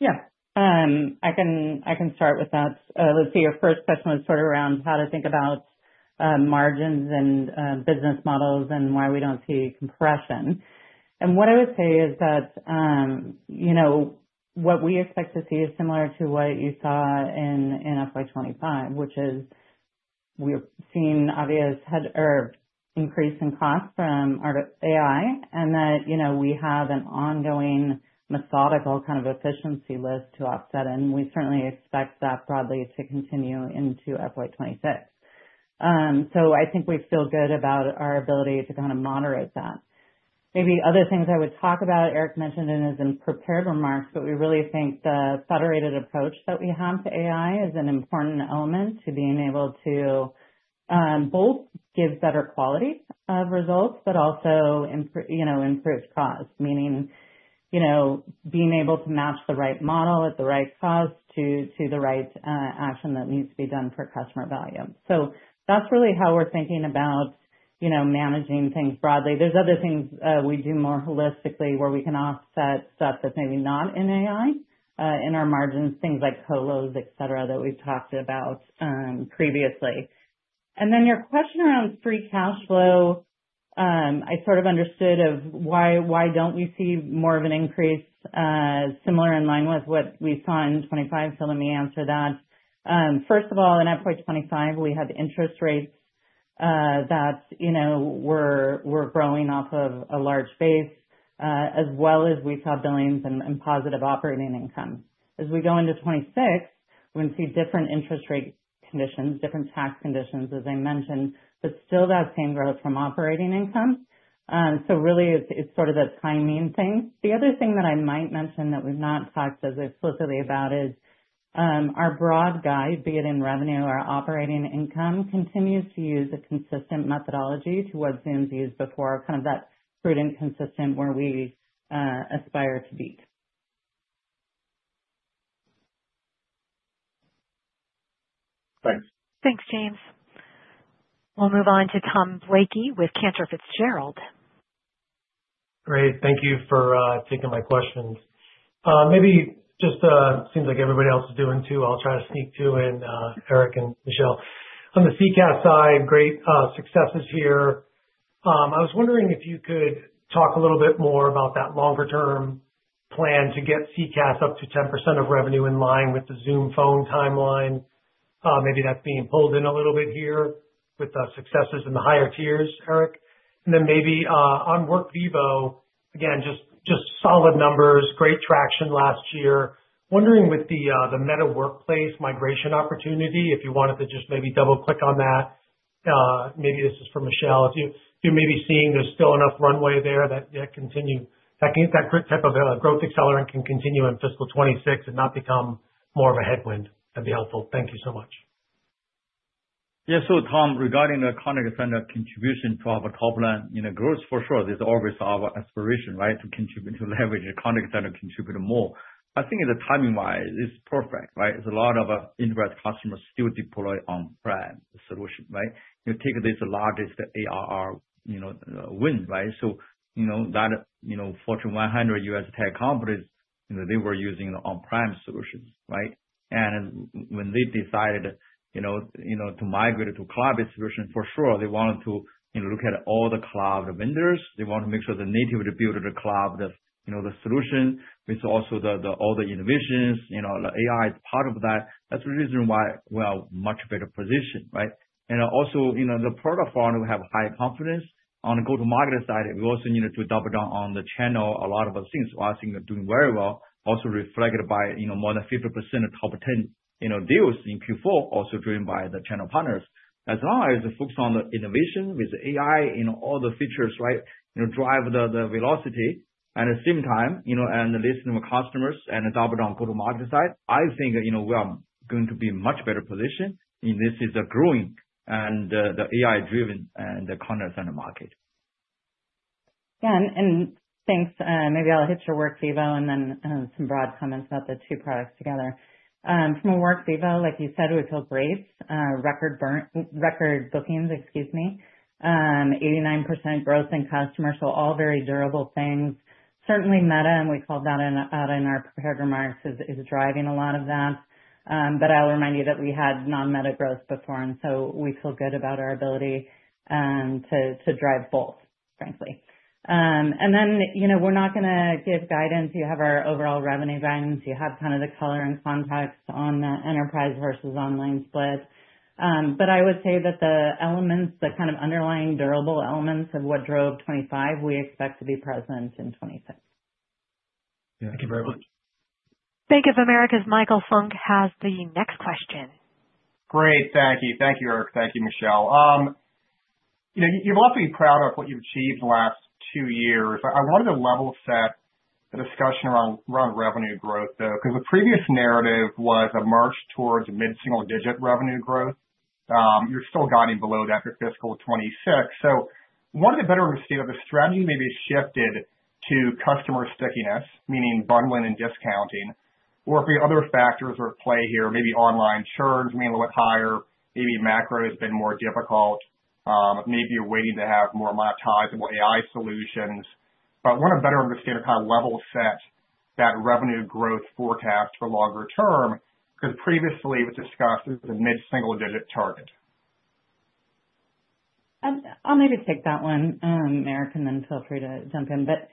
Speaker 4: Yeah. I can start with that. Let's see. Your first question was sort of around how to think about margins and business models and why we don't see compression, and what I would say is that what we expect to see is similar to what you saw in FY 2025, which is we're seeing obvious increase in cost from AI and that we have an ongoing methodical kind of efficiency list to offset in. We certainly expect that broadly to continue into FY 2026, so I think we feel good about our ability to kind of moderate that. Maybe other things I would talk about. Eric mentioned in his prepared remarks, but we really think the federated approach that we have to AI is an important element to being able to both give better quality of results, but also improve cost, meaning being able to match the right model at the right cost to the right action that needs to be done for customer value. So that's really how we're thinking about managing things broadly. There's other things we do more holistically where we can offset stuff that's maybe not in AI in our margins, things like colos, etc., that we've talked about previously. And then your question around free cash flow, I sort of understood of why don't we see more of an increase similar in line with what we saw in 2025? So let me answer that. First of all, in FY 2025, we had interest rates that were growing off of a large base as well as we saw billings and positive operating income. As we go into 2026, we're going to see different interest rate conditions, different tax conditions, as I mentioned, but still that same growth from operating income. So really, it's sort of a timing thing. The other thing that I might mention that we've not talked as explicitly about is our broad guide, be it in revenue or operating income, continues to use a consistent methodology to what Zoom's used before, kind of that prudent consistent where we aspire to beat.
Speaker 15: Thanks.
Speaker 5: Thanks, James. We'll move on to Tom Blakey with Cantor Fitzgerald.
Speaker 16: Great. Thank you for taking my questions. Maybe just seems like everybody else is doing too. I'll try to sneak one to Eric and Michelle. On the CCaaS side, great successes here. I was wondering if you could talk a little bit more about that longer-term plan to get CCaaS up to 10% of revenue in line with the Zoom Phone timeline. Maybe that's being pulled in a little bit here with the successes in the higher tiers, Eric. And then maybe on Workvivo, again, just solid numbers, great traction last year. Wondering with the Meta Workplace migration opportunity, if you wanted to just maybe double-click on that, maybe this is for Michelle. If you're maybe seeing there's still enough runway there that that type of growth accelerant can continue in fiscal 2026 and not become more of a headwind, that'd be helpful. Thank you so much.
Speaker 3: Yeah. So Tom, regarding the contact center contribution to our top line in growth, for sure, this is always our aspiration, right, to leverage the contact center contributor more. I think the timing-wise, it's perfect, right? It's a lot of enterprise customers still deploy on-prem solution, right? You take this largest ARR win, right? So that Fortune 100 U.S. tech companies, they were using the on-prem solutions, right? And when they decided to migrate to cloud solution, for sure, they wanted to look at all the cloud vendors. They want to make sure the natively built cloud solution with also all the innovations, the AI part of that. That's the reason why we are in a much better position, right? And also the product front, we have high confidence. On the go-to-market side, we also need to double down on the channel. A lot of things we're doing very well, also reflected by more than 50% of top 10 deals in Q4, also driven by the channel partners. As long as we focus on the innovation with AI and all the features, right, drive the velocity and at the same time and listen to our customers and double down on the go-to-market side, I think we are going to be in a much better position. This is a growing and the AI-driven and the contact center market.
Speaker 4: Yeah. And thanks. Maybe I'll hit your Workvivo and then some broad comments about the two products together. From a Workvivo, like you said, we've built great record bookings, excuse me, 89% growth in customers, so all very durable things. Certainly, Meta, and we called that out in our prepared remarks, is driving a lot of that. But I'll remind you that we had non-Meta growth before, and so we feel good about our ability to drive both, frankly. And then we're not going to give guidance. You have our overall revenue guidance. You have kind of the color and context on the enterprise versus online split. But I would say that the elements, the kind of underlying durable elements of what drove 2025, we expect to be present in 2026.
Speaker 16: Yeah. Thank you very much.
Speaker 5: Bank of America's Michael Funk has the next question.
Speaker 17: Great. Thank you. Thank you, Eric. Thank you, Michelle. You've all been proud of what you've achieved the last two years. I wanted to level set the discussion around revenue growth, though, because the previous narrative was a march towards mid-single-digit revenue growth. You're still guiding below that for fiscal 2026. So I wanted to better understand if the strategy maybe shifted to customer stickiness, meaning bundling and discounting, or if there are other factors at play here, maybe ongoing churn, meaning a little bit higher, maybe macro has been more difficult, maybe you're waiting to have more monetizable AI solutions. But I want to better understand kind of level set that revenue growth forecast for longer term because previously we discussed it was a mid-single-digit target.
Speaker 4: I'll maybe take that one, Eric, and then feel free to jump in. But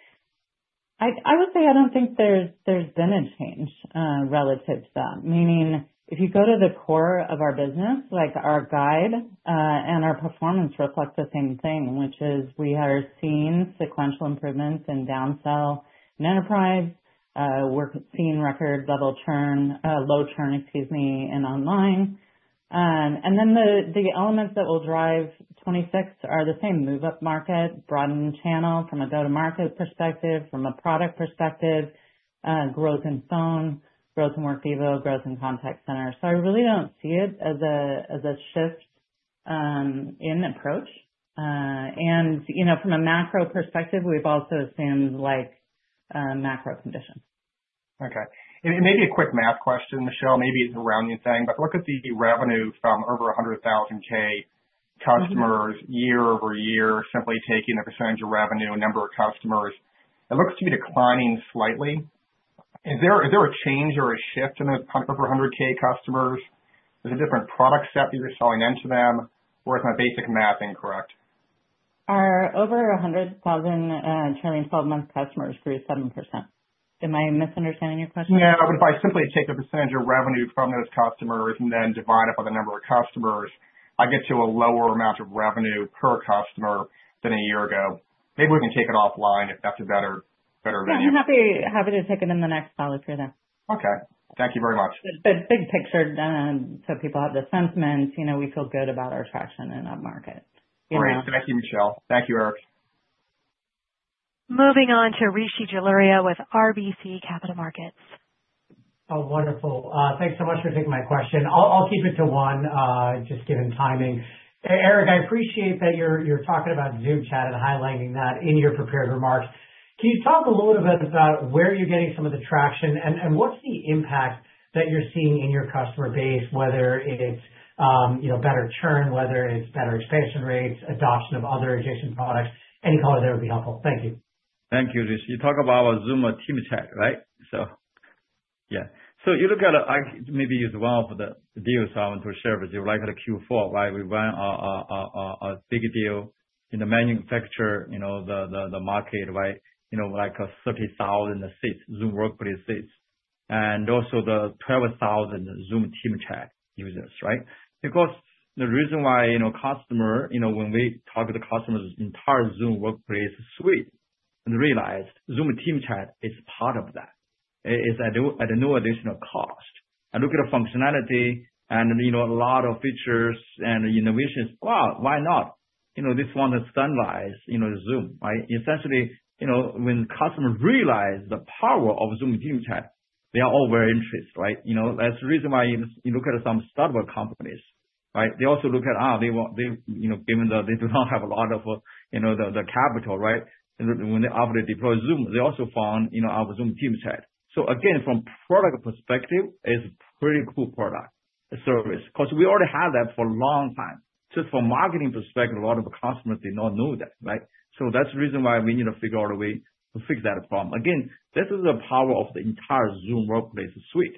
Speaker 4: I would say I don't think there's been a change relative to that. Meaning, if you go to the core of our business, like our guide and our performance reflects the same thing, which is we are seeing sequential improvements in downsell in enterprise. We're seeing record-level low churn, excuse me, in online. And then the elements that will drive 2026 are the same: move-up market, broaden channel from a go-to-market perspective, from a product perspective, growth in phone, growth in Workvivo, growth in contact center. So I really don't see it as a shift in approach. And from a macro perspective, we've also assumed macro conditions.
Speaker 17: Okay, and maybe a quick math question, Michelle. Maybe it's a rounding thing, but look at the revenue from over $100,000 customers year-over-year, simply taking the percentage of revenue per number of customers. It looks to be declining slightly. Is there a change or a shift in those over $100,000 customers? Is it a different product set that you're selling into them, or is my basic math incorrect?
Speaker 4: Our over 100,000 trailing 12-month customers grew 7%. Am I misunderstanding your question?
Speaker 17: Yeah. But if I simply take the percentage of revenue from those customers and then divide it by the number of customers, I get to a lower amount of revenue per customer than a year ago. Maybe we can take it offline if that's a better venue.
Speaker 4: I'm happy to take it in the next solid period then.
Speaker 17: Okay. Thank you very much.
Speaker 4: Big picture so people have the sentiment. We feel good about our traction in that market.
Speaker 17: Great. Thank you, Michelle. Thank you, Eric.
Speaker 5: Moving on to Rishi Jaluria with RBC Capital Markets.
Speaker 18: Oh, wonderful. Thanks so much for taking my question. I'll keep it to one just given timing. Eric, I appreciate that you're talking about Zoom chat and highlighting that in your prepared remarks. Can you talk a little bit about where you're getting some of the traction and what's the impact that you're seeing in your customer base, whether it's better churn, whether it's better expansion rates, adoption of other adjacent products? Any color there would be helpful. Thank you.
Speaker 3: Thank you, Rishi. You talk about our Zoom Team Chat, right? So yeah. So you look at maybe use one of the deals I want to share with you, like the Q4, right? We ran a big deal in the manufacturing market, right? Like 30,000 seats, Zoom Workplace seats, and also the 12,000 Zoom Team Chat users, right? Because the reason why customers, when we target the customer's entire Zoom Workplace suite, and realize Zoom Team Chat is part of that. It's at no additional cost. They look at the functionality and a lot of features and innovations. Wow, why not? They want to standardize on Zoom, right? Essentially, when customers realize the power of Zoom Team Chat, they are all very interested, right? That's the reason why you look at some startup companies, right? They also look at, they do not have a lot of capital, right? When they opted to deploy Zoom, they also found our Zoom Team Chat. So again, from a product perspective, it's a pretty cool product service. Because we already had that for a long time. Just from a marketing perspective, a lot of customers did not know that, right? So that's the reason why we need to figure out a way to fix that problem. Again, this is the power of the entire Zoom Workplace suite.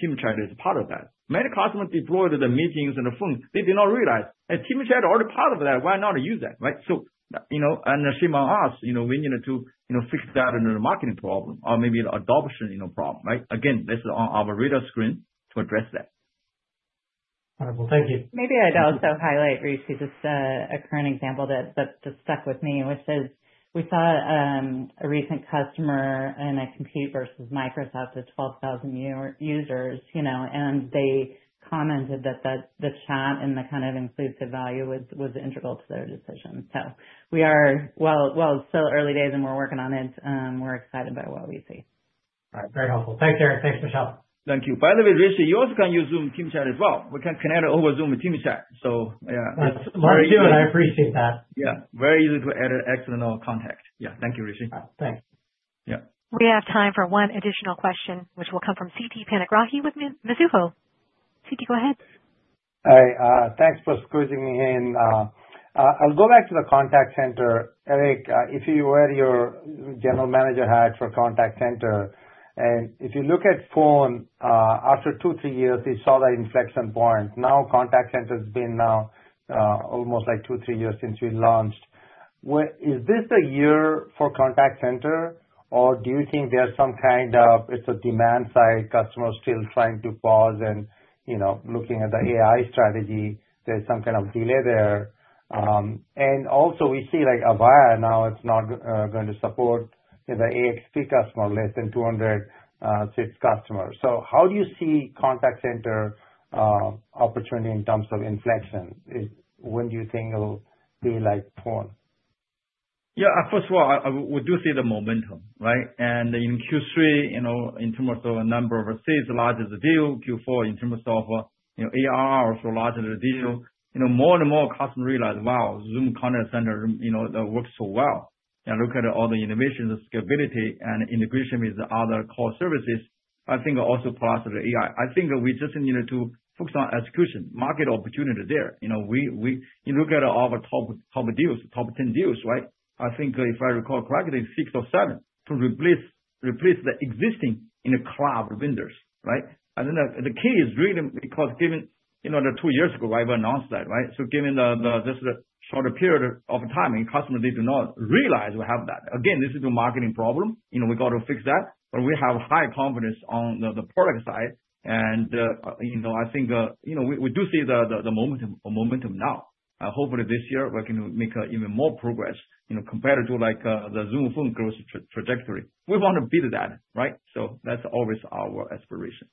Speaker 3: Team Chat is part of that. Many customers deployed the meetings and the phones. They did not realize, "Hey, Team Chat is already part of that. Why not use that?" Right? And shame on us. We need to fix that in the marketing problem or maybe the adoption problem, right? Again, this is on our radar screen to address that.
Speaker 18: Wonderful. Thank you.
Speaker 4: Maybe I'd also highlight, Rishi, just a current example that just stuck with me, which is we saw a recent customer win over Microsoft to 12,000 users, and they commented that the chat and the kind of Zoom value was integral to their decision. So while it's still early days and we're working on it, we're excited by what we see.
Speaker 18: All right. Very helpful. Thanks, Eric. Thanks, Michelle.
Speaker 3: Thank you. By the way, Rishi, you also can use Zoom Team Chat as well. We can connect over Zoom Team Chat. So yeah.
Speaker 18: Thank you. I appreciate that.
Speaker 3: Yeah. Very easy to add an external contact. Yeah. Thank you, Rishi.
Speaker 18: Thanks.
Speaker 3: Yeah.
Speaker 5: We have time for one additional question, which will come from Siti Panigrahi with Mizuho. Siti, go ahead.
Speaker 19: Hi. Thanks for squeezing me in. I'll go back to the contact center. Eric, if you wear your general manager hat for contact center, and if you look at phone, after two, three years, we saw that inflection point. Now contact center has been now almost like two, three years since we launched. Is this the year for contact center, or do you think there's some kind of, it's a demand side customer still trying to pause and looking at the AI strategy, there's some kind of delay there? And also we see Avaya now, it's not going to support the AXP customer, less than 200 seats customer. So how do you see contact center opportunity in terms of inflection? When do you think it'll be like phone?
Speaker 3: Yeah. First of all, we do see the momentum, right? And in Q3, in terms of the number of seats, larger the deal. Q4, in terms of ARR, also larger the deal. More and more customers realize, wow, Zoom contact center works so well. And look at all the innovations, scalability, and integration with other core services. I think also plus the AI. I think we just need to focus on execution, market opportunity there. You look at our top 10 deals, right? I think if I recall correctly, six or seven to replace the existing cloud vendors, right? And then the key is really because given the two years ago, I've announced that, right? So given just the shorter period of time, customers, they do not realize we have that. Again, this is a marketing problem. We got to fix that, but we have high confidence on the product side, and I think we do see the momentum now. Hopefully this year, we're going to make even more progress compared to the Zoom Phone growth trajectory. We want to beat that, right, so that's always our aspiration.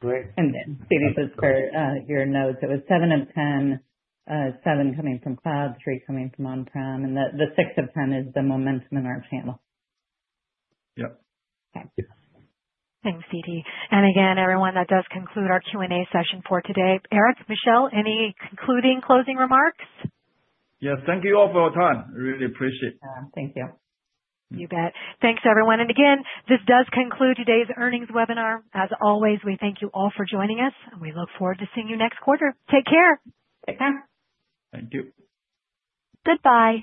Speaker 19: Great.
Speaker 4: And then Siti, just for your notes, it was 7 of 10, 7 coming from cloud, 3 coming from on-prem, and the 6 of 10 is the momentum in our channel.
Speaker 3: Yeah.
Speaker 5: Thanks, Siti. And again, everyone, that does conclude our Q&A session for today. Eric, Michelle, any concluding closing remarks?
Speaker 3: Yes. Thank you all for your time. Really appreciate it.
Speaker 4: Thank you.
Speaker 5: You bet. Thanks, everyone. And again, this does conclude today's earnings webinar. As always, we thank you all for joining us, and we look forward to seeing you next quarter. Take care.
Speaker 4: Take care.
Speaker 3: Thank you.
Speaker 5: Goodbye.